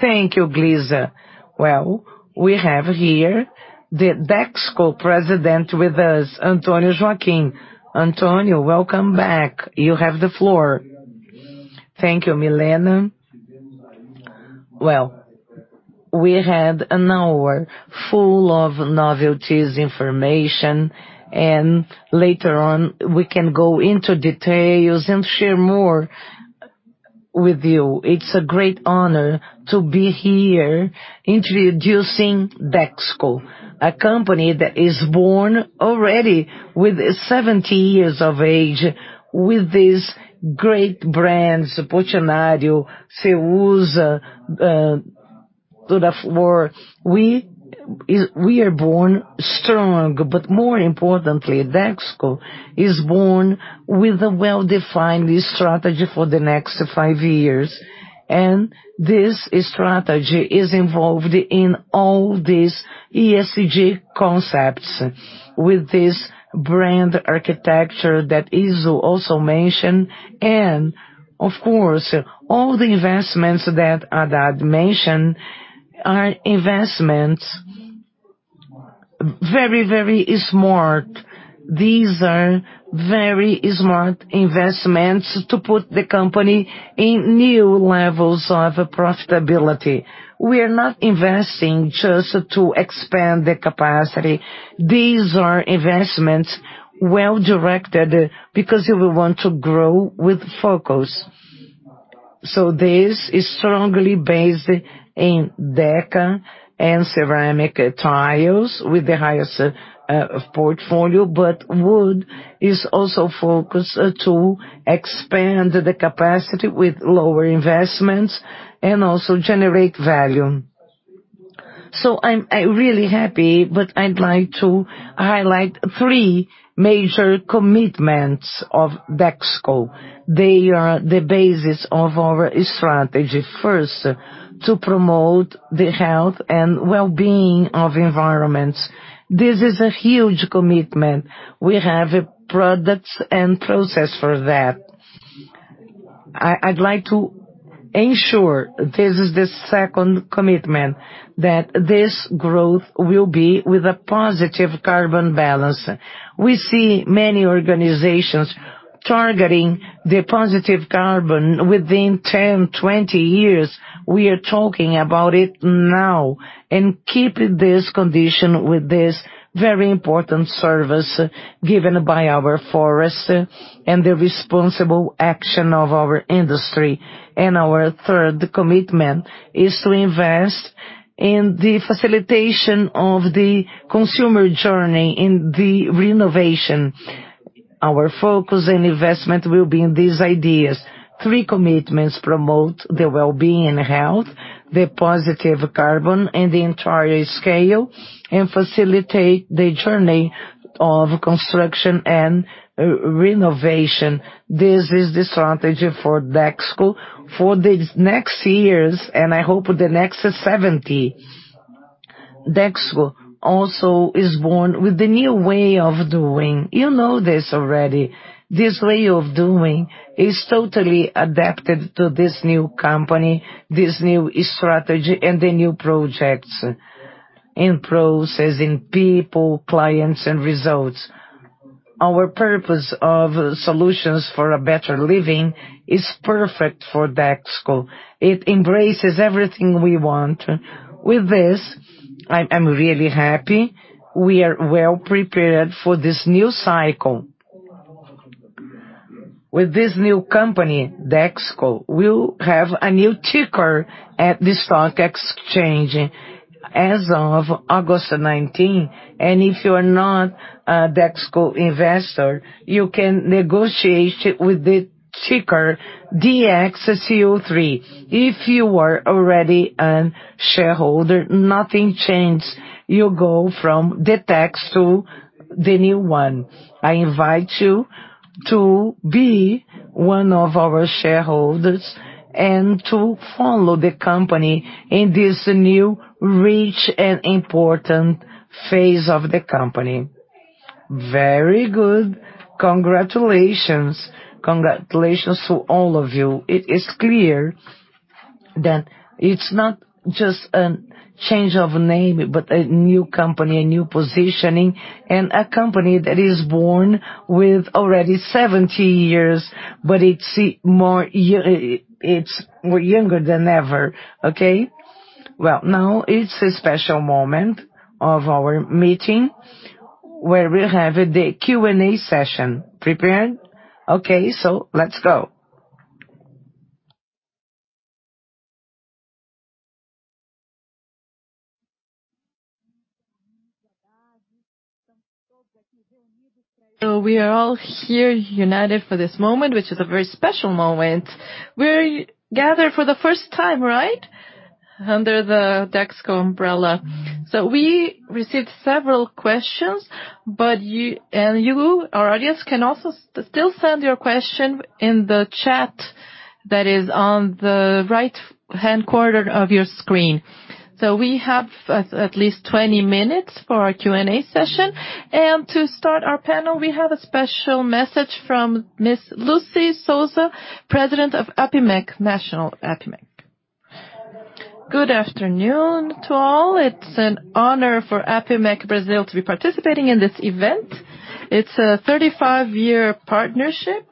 Thank you, Glizia. Well, we have here the Dexco president with us, Antonio Joaquim. Antonio, welcome back. You have the floor.
Thank you, Millena. Well, we had an hour full of novelties, information, and later on, we can go into details and share more with you. It's a great honor to be here introducing Dexco, a company that is born already with 70 years of age with these great brands, Portinari, Ceusa, Durafloor. We are born strong. More importantly, Dexco is born with a well-defined strategy for the next five years. This strategy is involved in all these ESG concepts with this brand architecture that I also mentioned. Of course, all the investments that Haddad mentioned are investments, very smart. These are very smart investments to put the company in new levels of profitability. We are not investing just to expand the capacity. These are investments well-directed because we want to grow with focus. This is strongly based in Deca and ceramic tiles with the highest portfolio, but wood is also focused to expand the capacity with lower investments and also generate value. I'm really happy, but I'd like to highlight three major commitments of Dexco. They are the basis of our strategy. First, to promote the health and well-being of environments. This is a huge commitment. We have products and process for that. I'd like to ensure, this is the second commitment, that this growth will be with a positive carbon balance. We see many organizations targeting the positive carbon within 10, 20 years. We are talking about it now and keep this condition with this very important service given by our forest and the responsible action of our industry. Our third commitment is to invest in the facilitation of the consumer journey in the renovation. Our focus and investment will be in these ideas. Three commitments promote the well-being and health, the positive carbon in the entire scale, and facilitate the journey of construction and renovation. This is the strategy for Dexco for these next years, and I hope the next 70 Dexco also is born with the new way of doing. You know this already. This way of doing is totally adapted to this new company, this new strategy, and the new projects in processing people, clients, and results. Our purpose of solutions for a better living is perfect for Dexco. It embraces everything we want. With this, I'm really happy. We are well prepared for this new cycle. With this new company, Dexco, we'll have a new ticker at the stock exchange as of August 19. If you are not a Dexco investor, you can negotiate with the ticker DXCO3. If you are already a shareholder, nothing changes. You go from the ticker to the new one. I invite you to be one of our shareholders and to follow the company in this new rich and important phase of the company. Very good. Congratulations. Congratulations to all of you. It is clear that it's not just a change of name, but a new company, a new positioning, and a company that is born with already 70 years, but it's more younger than ever. Okay. Well, now it's a special moment of our meeting where we have the Q&A session prepared. Okay, let's go.
We are all here united for this moment, which is a very special moment. We're gathered for the first time, right, under the Dexco umbrella. We received several questions, and you, our audience, can also still send your question in the chat that is on the right-hand corner of your screen. We have at least 20 minutes for our Q&A session. To start our panel, we have a special message from Ms. Lucy Sousa, President of APIMEC, National APIMEC.
Good afternoon to all. It is an honor for APIMEC Brasil to be participating in this event. It is a 35-year partnership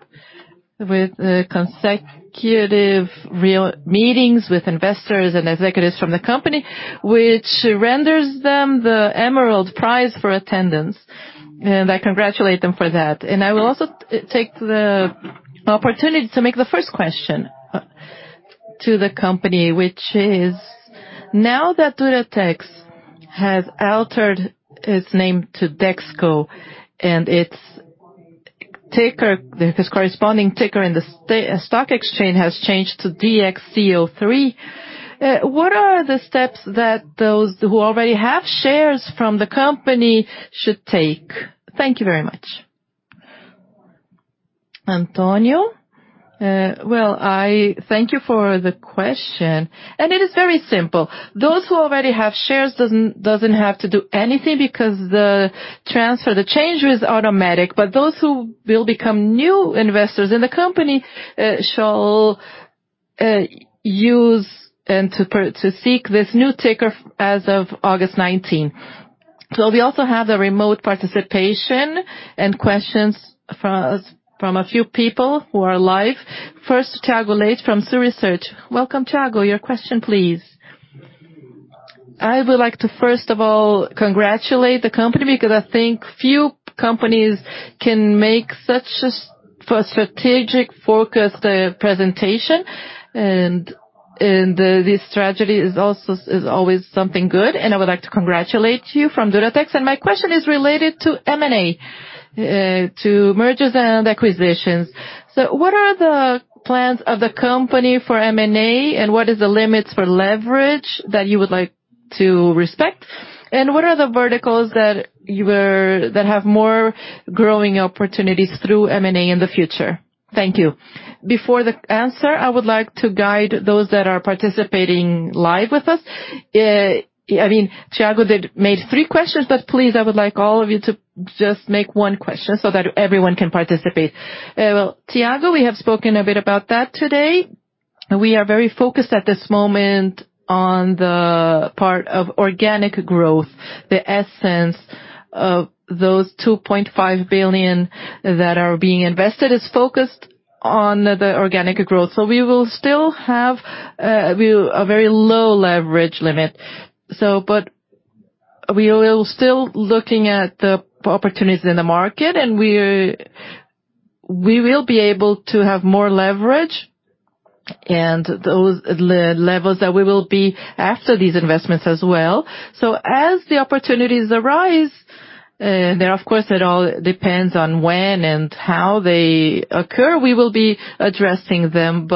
with consecutive real meetings with investors and executives from the company, which renders them the Emerald Prize for attendance, I congratulate them for that. I will also take the opportunity to make the first question to the company, which is, now that Duratex has altered its name to Dexco and its ticker, this corresponding ticker in the stock exchange has changed to DXCO3, what are the steps that those who already have shares from the company should take? Thank you very much. Antonio.
Well, I thank you for the question. It is very simple. Those who already have shares doesn't have to do anything because the transfer, the change is automatic, but those who will become new investors in the company shall use and to seek this new ticker as of August 19. We also have the remote participation and questions from a few people who are live.
First, Thiago Leite from XP Research. Welcome, Thiago. Your question, please.
I would like to, first of all, congratulate the company because I think few companies can make such a strategic-focused presentation. This strategy is always something good, and I would like to congratulate you from Duratex. My question is related to M&A, to mergers and acquisitions. What are the plans of the company for M&A, and what is the limits for leverage that you would like to respect? What are the verticals that have more growing opportunities through M&A in the future? Thank you.
Before the answer, I would like to guide those that are participating live with us. I mean, Thiago, they made three questions, please, I would like all of you to just make one question so that everyone can participate. Well, Thiago, we have spoken a bit about that today. We are very focused at this moment on the part of organic growth. The essence of those 2.5 billion that are being invested is focused on the organic growth. We will still have a very low leverage limit. We will still looking at the opportunities in the market, and we will be able to have more leverage and those levels that we will be after these investments as well. As the opportunities arise, then, of course, it all depends on when and how they occur. We will be addressing them,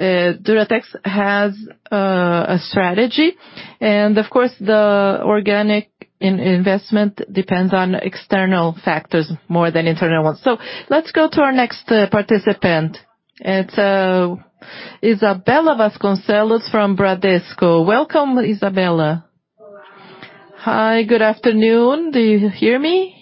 but Duratex has a strategy. Of course, the organic investment depends on external factors more than internal ones. Let's go to our next participant.
It's Isabella Vasconcelos from Bradesco. Welcome, Isabella.
Hi, good afternoon. Do you hear me?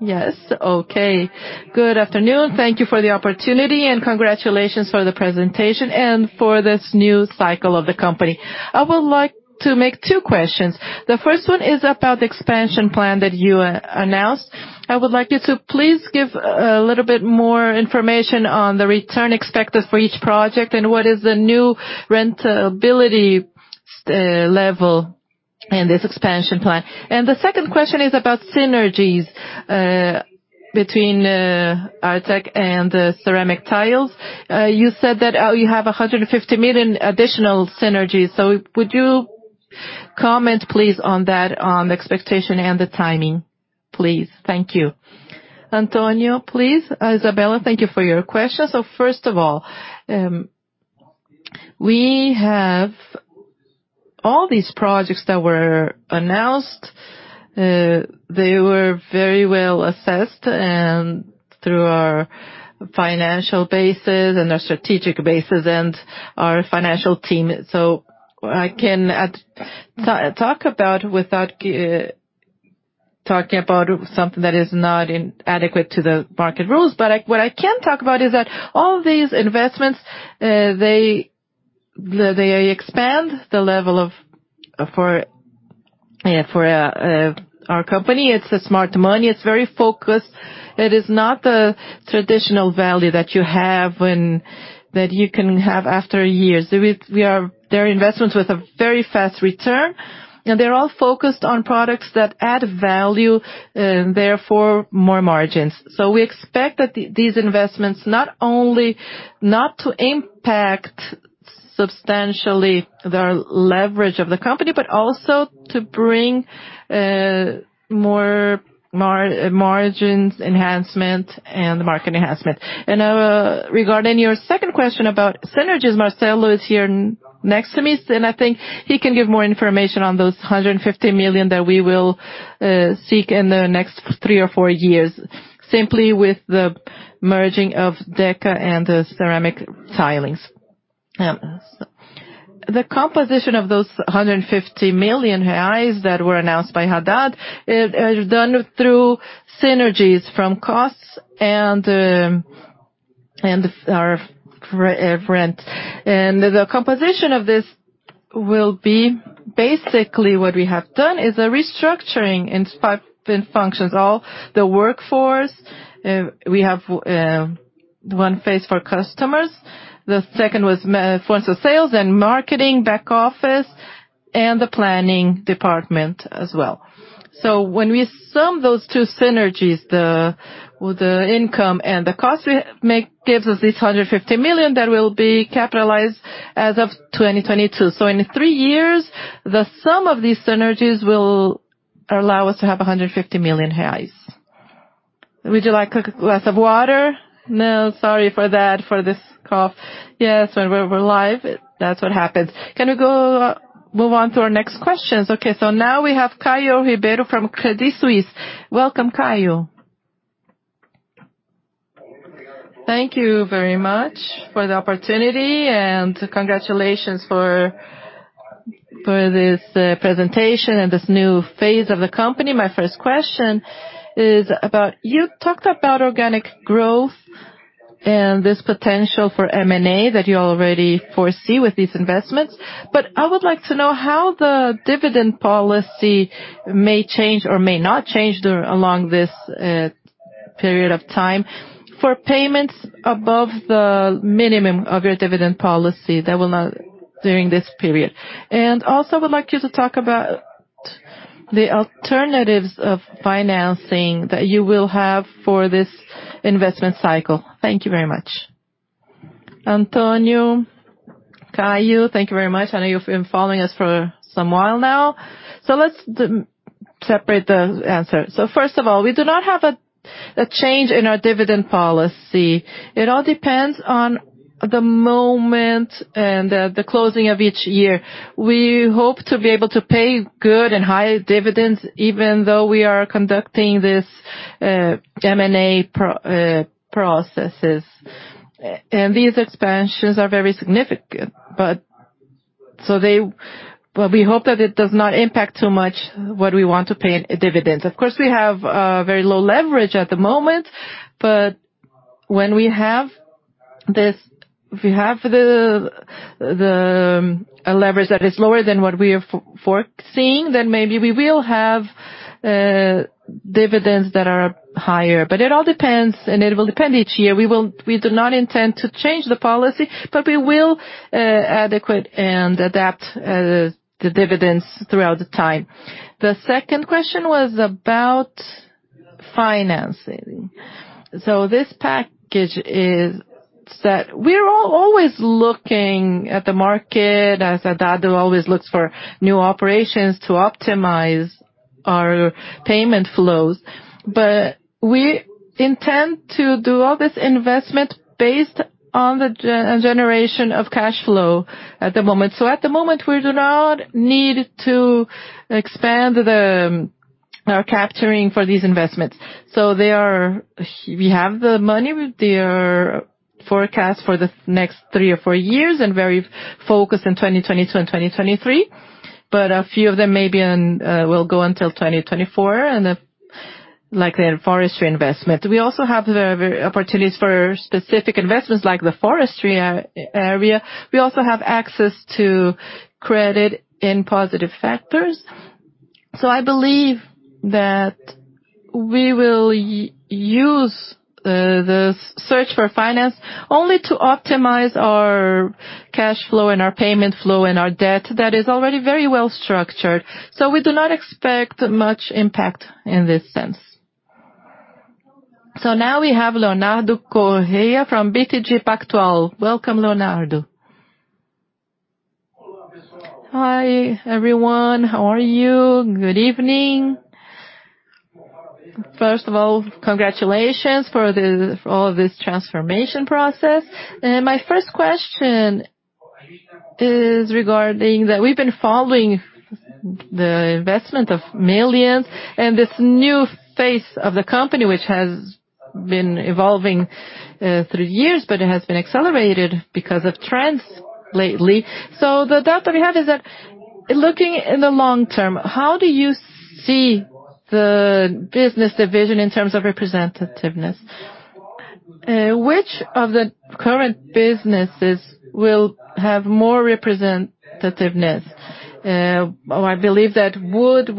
Yes.
Okay. Good afternoon. Thank you for the opportunity, congratulations for the presentation and for this new cycle of the company. I would like to make two questions. The first one is about the expansion plan that you announced. I would like you to please give a little bit more information on the return expected for each project and what is the new rentability level in this expansion plan. The second question is about synergies between Artek and ceramic tiles. You said that you have 150 million additional synergies. Would you comment, please, on that expectation and the timing, please? Thank you. Antonio, please.
Isabella, thank you for your question. First of all, we have all these projects that were announced. They were very well assessed and through our financial bases and our strategic bases and our financial team. I can talk about without talking about something that is not adequate to the market rules. What I can talk about is that all these investments, they expand the level for our company. It's smart money. It's very focused. It is not the traditional value that you can have after years. They're investments with a very fast return, and they're all focused on products that add value, therefore more margins. We expect that these investments not only not to impact substantially the leverage of the company, but also to bring more margins enhancement and market enhancement.
Regarding your second question about synergies, Marcelo is here next to me, and I think he can give more information on those 150 million that we will seek in the next three or four years, simply with the merging of Deca and the ceramic tilings. The composition of those 150 million reais that were announced by Haddad is done through synergies from costs and. *inaudible* The composition of this will be basically what we have done is a restructuring in functions, all the workforce. We have one phase for customers. The second was for sales and marketing, back office, and the planning department as well. When we sum those two synergies, the income and the cost gives us this 150 million that will be capitalized as of 2022. In three years, the sum of these synergies will allow us to have 150 million reais. Would you like a glass of water?
No, sorry for that, for this cough. Yes, when we're live, that's what happens. Can we move on to our next questions?
Now we have Caio Ribeiro from Credit Suisse. Welcome, Caio.
Thank you very much for the opportunity and congratulations for this presentation and this new phase of the company. My first question is about, you talked about organic growth and this potential for M&A that you already foresee with these investments. I would like to know how the dividend policy may change or may not change along this period of time for payments above the minimum of your dividend policy that will last during this period. Also, I would like you to talk about the alternatives of financing that you will have for this investment cycle. Thank you very much. Antonio,
Caio, thank you very much. I know you've been following us for some while now. Let's separate the answer. First of all, we do not have a change in our dividend policy. It all depends on the moment and the closing of each year. We hope to be able to pay good and high dividends, even though we are conducting these M&A processes. These expansions are very significant. We hope that it does not impact too much what we want to pay in dividends. Of course, we have very low leverage at the moment, but when we have the leverage that is lower than what we are foreseeing, then maybe we will have dividends that are higher. It all depends, and it will depend each year. We do not intend to change the policy, but we will adequate and adapt the dividends throughout the time. The second question was about financing. This package is set. We are always looking at the market as Haddad always looks for new operations to optimize our payment flows. We intend to do all this investment based on the generation of cash flow at the moment. At the moment, we do not need to expand the capturing for these investments. We have the money with their forecast for the next three or four years and very focused in 2022 and 2023, but a few of them maybe will go until 2024, like the forestry investment. We also have the opportunities for specific investments like the forestry area. We also have access to credit in positive factors. I believe that we will use the search for finance only to optimize our cash flow and our payment flow and our debt that is already very well-structured. We do not expect much impact in this sense.
Now we have Leonardo Correa from BTG Pactual. Welcome, Leonardo.
Hi everyone. How are you? Good evening. First of all, congratulations for all this transformation process. My first question is regarding that we've been following the investment of millions and this new phase of the company, which has been evolving through years, but it has been accelerated because of trends lately. The doubt that we have is that looking in the long term, how do you see the business division in terms of representativeness? Which of the current businesses will have more representativeness? I believe that wood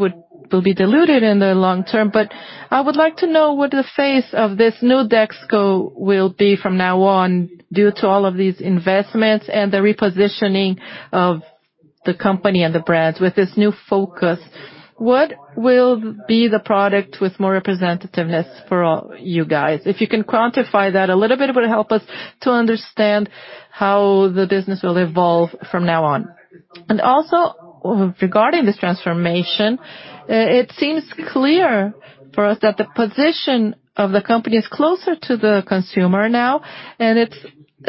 will be diluted in the long term, but I would like to know what the face of this new Dexco will be from now on due to all of these investments and the repositioning of the company and the brands with this new focus. What will be the product with more representativeness for you guys? If you can quantify that a little bit, it would help us to understand how the business will evolve from now on. Also regarding this transformation, it seems clear for us that the position of the company is closer to the consumer now, and it's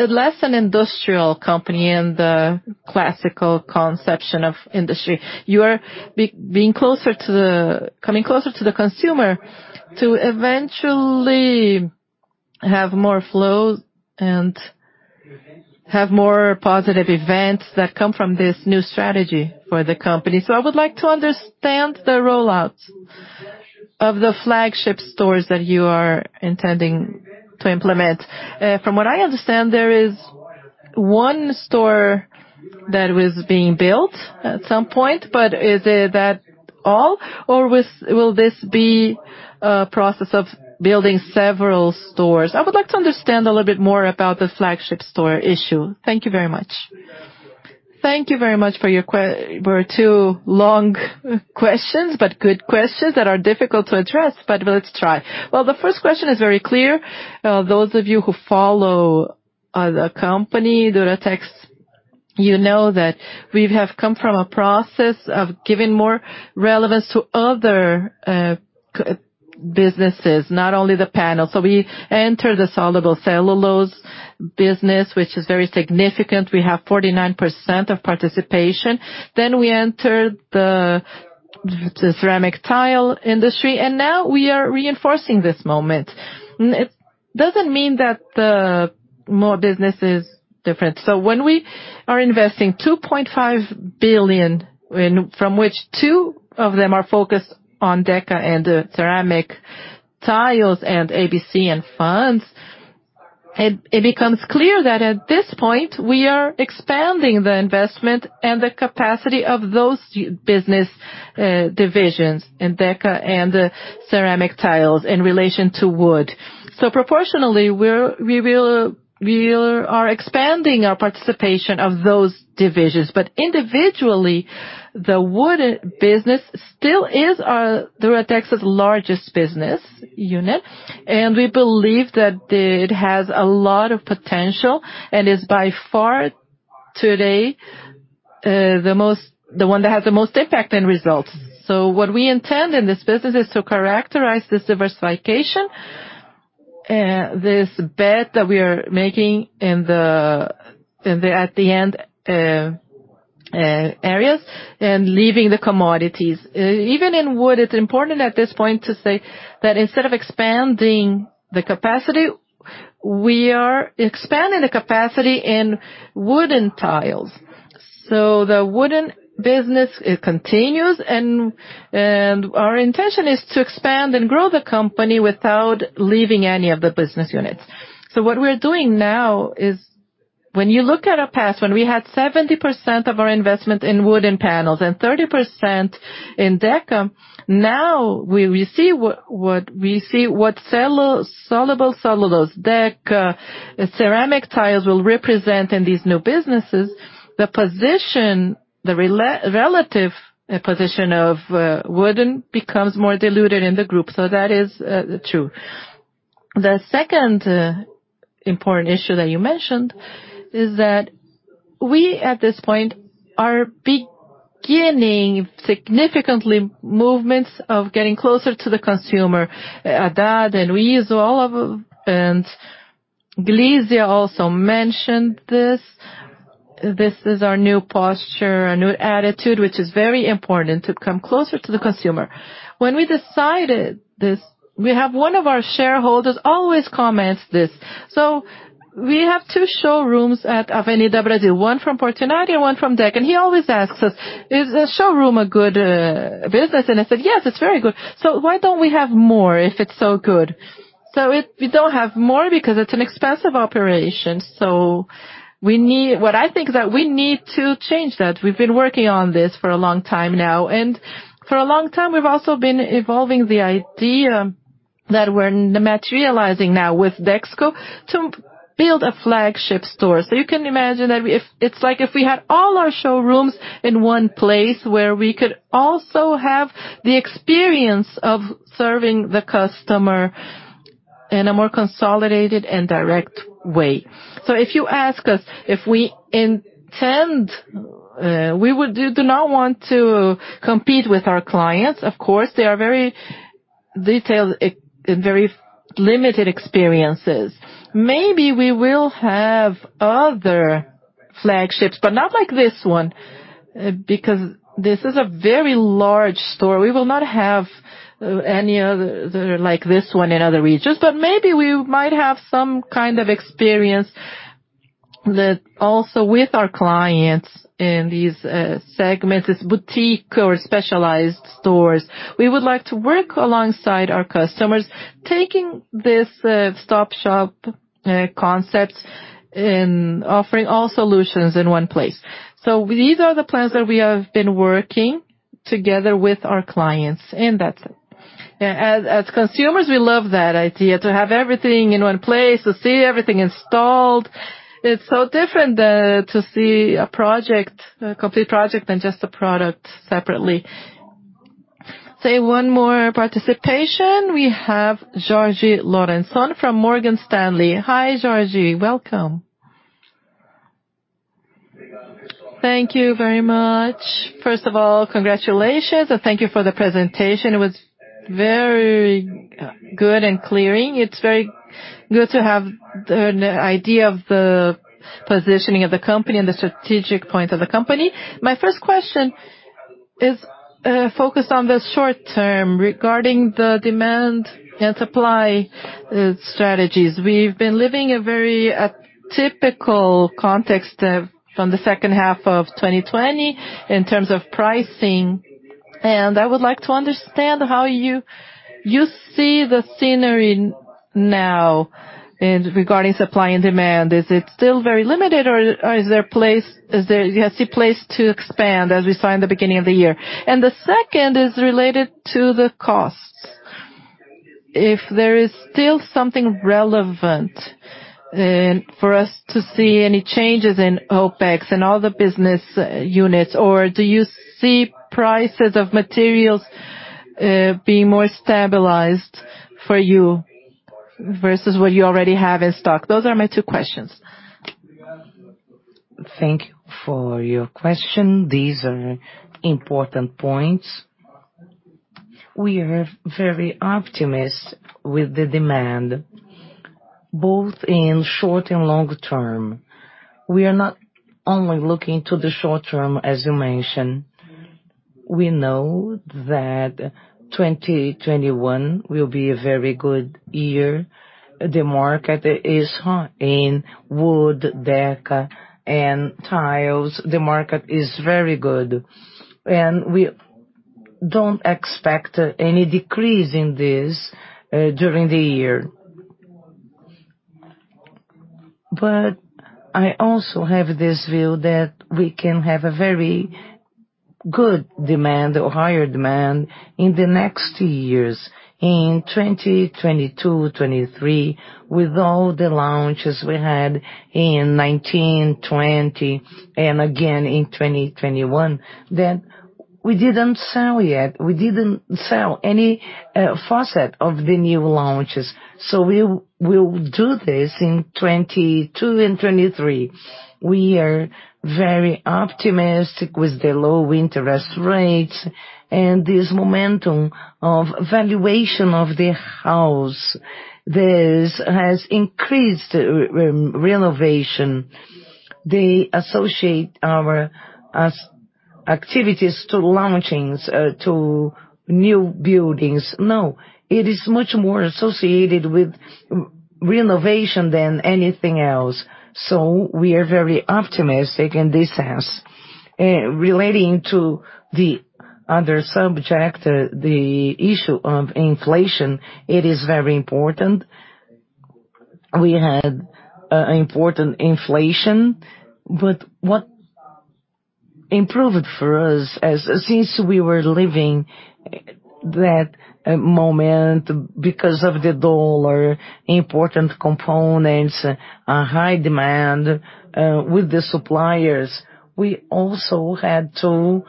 less an industrial company in the classical conception of industry. You are coming closer to the consumer to eventually have more flow and have more positive events that come from this new strategy for the company. I would like to understand the rollout of the flagship stores that you are intending to implement. From what I understand, there is one store that was being built at some point, but is it that all or will this be a process of building several stores? I would like to understand a little bit more about the flagship store issue. Thank you very much.
Thank you very much for your two long questions, good questions that are difficult to address, let's try. Well, the first question is very clear. Those of you who follow the company, Duratex, you know that we have come from a process of giving more relevance to other businesses, not only the panel. We entered the soluble cellulose business, which is very significant. We have 49% of participation. We entered the ceramic tile industry, now we are reinforcing this moment. It doesn't mean that the business is different. When we are investing 2.5 billion, from which two of them are focused on Deca and ceramic tiles and ABC and funds, it becomes clear that at this point, we are expanding the investment and the capacity of those business divisions in Deca and the ceramic tiles in relation to wood. Proportionally, we are expanding our participation of those divisions. But individually, the wood business still is Duratex's largest business unit, and we believe that it has a lot of potential and is by far today the one that has the most impact and results. What we intend in this business is to characterize this diversification this bet that we are making in the at the end areas and leaving the commodities. Even in wood, it is important at this point to say that instead of expanding the capacity, we are expanding the capacity in wooden tiles. The wooden business continues, and our intention is to expand and grow the company without leaving any of the business units. What we are doing now is when you look at our past, when we had 70% of our investment in wooden panels and 30% in Deca, now we see what soluble cellulose Dexco, ceramic tiles will represent in these new businesses. The relative position of wooden becomes more diluted in the group. That is true. The second important issue that you mentioned is that we, at this point, are beginning significantly movements of getting closer to the consumer. Glizia also mentioned this. This is our new posture, our new attitude, which is very important to come closer to the consumer. When we decided this, we have one of our shareholders always comments this. We have two showrooms at Avenida Brasil, one from Portinari and one from Deca. He always asks us, "Is the showroom a good business?" I said, "Yes, it's very good." Why don't we have more if it's so good? We don't have more because it's an expensive operation. What I think is that we need to change that. We've been working on this for a long time now, and for a long time we've also been evolving the idea that we're materializing now with Dexco to build a flagship store. You can imagine that it's like if we had all our showrooms in one place where we could also have the experience of serving the customer in a more consolidated and direct way. If you ask us if we intend, we do not want to compete with our clients. Of course, they are very detailed in very limited experiences. Maybe we will have other flagships, but not like this one, because this is a very large store. We will not have any other like this one in other regions, but maybe we might have some kind of experience that also with our clients in these segments, is boutique or specialized stores. We would like to work alongside our customers, taking this stop shop concept and offering all solutions in one place. These are the plans that we have been working together with our clients and that's it. As consumers, we love that idea, to have everything in one place, to see everything installed. It's so different to see a complete project than just a product separately.
One more participation we have Georgie Lawrenson from Morgan Stanley.
Hi, Georgie. Welcome.
Thank you very much. First of all, congratulations and thank you for the presentation. It was very good and clear. It's very good to have the idea of the positioning of the company and the strategic point of the company. My first question is focused on the short term regarding the demand and supply strategies. We've been living a very typical context from the second half of 2020 in terms of pricing, and I would like to understand how you see the scenery now regarding supply and demand. Is it still very limited or is there a place to expand as we saw in the beginning of the year? The second is related to the costs. If there is still something relevant for us to see any changes in OpEx in all the business units or do you see prices of materials being more stabilized for you versus what you already have in stock? Those are my two questions.
Thank you for your question. These are important points. We are very optimist with the demand both in short and long term. We are not only looking to the short term, as you mentioned. We know that 2021 will be a very good year. The market is hot in wood, Deca, and tiles. The market is very good and we don't expect any decrease in this during the year. I also have this view that we can have a very good demand or higher demand in the next years. In 2022, 2023 with all the launches we had in 2019, 2020 and again in 2021, that we didn't sell yet. We didn't sell any facet of the new launches. We will do this in 2022 and 2023. We are very optimistic with the low interest rates and this momentum of valuation of the house. This has increased renovation. They associate our activities to launchings, to new buildings. No. It is much more associated with renovation than anything else. We are very optimistic in this sense. Relating to the other subject, the issue of inflation, it is very important. We had important inflation, but what improved for us since we were living that moment because of the dollar, important components, high demand with the suppliers, we also had to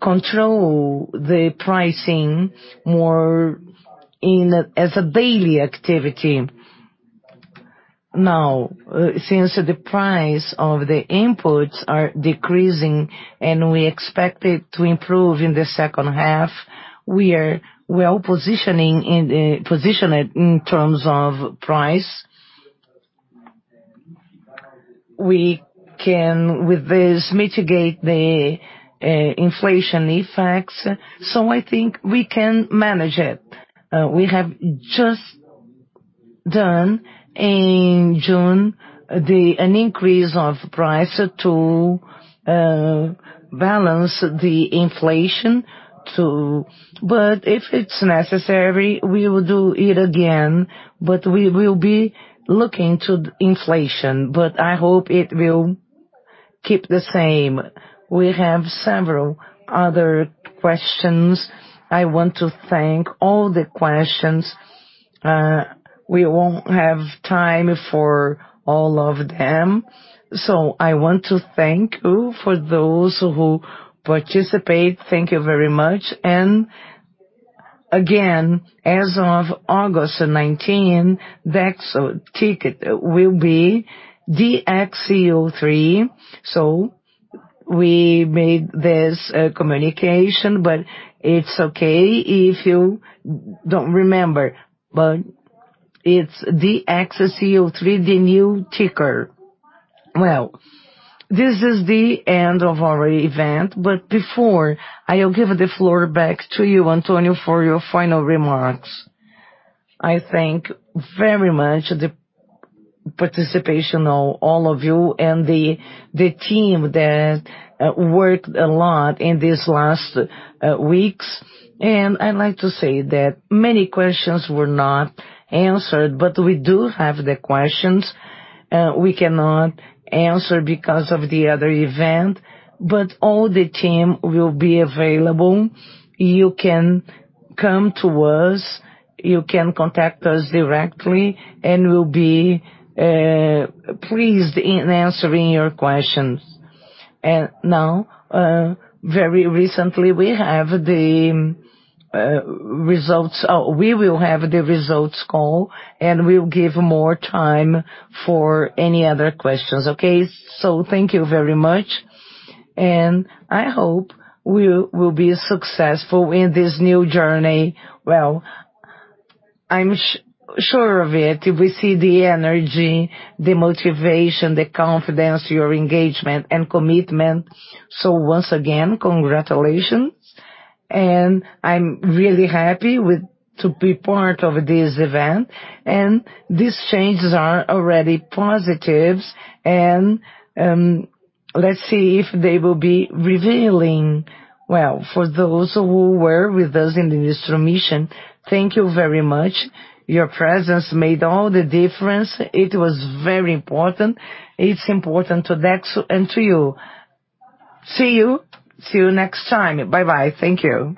control the pricing more as a daily activity. Now since the price of the inputs are decreasing and we expect it to improve in the second half. We are well-positioned in terms of price. We can, with this, mitigate the inflation effects. I think we can manage it. We have just done, in June, an increase of price to balance the inflation. If it's necessary, we will do it again. We will be looking to inflation. I hope it will keep the same.
We have several other questions. I want to thank all the questions. We won't have time for all of them. I want to thank you for those who participate. Thank you very much. As of August 19, Dexco ticker will be DXCO3. We made this communication, but it's okay if you don't remember. It's DXCO3, the new ticker. This is the end of our event, but before I give the floor back to you, Antonio, for your final remarks. I thank very much the participation of all of you and the team that worked a lot in these last weeks. I'd like to say that many questions were not answered, but we do have the questions. We cannot answer because of the other event, but all the team will be available. You can come to us. You can contact us directly, we'll be pleased in answering your questions. Now, very recently, we will have the results call, and we'll give more time for any other questions. Okay? Thank you very much.
I hope we will be successful in this new journey. Well, I'm sure of it. We see the energy, the motivation, the confidence, your engagement, and commitment. Once again, congratulations, and I'm really happy to be part of this event. These changes are already positive, and let's see if they will be revealing. Well, for those who were with us in this mission, thank you very much. Your presence made all the difference. It was very important. It's important to Dexco and to you. See you next time. Bye-bye. Thank you.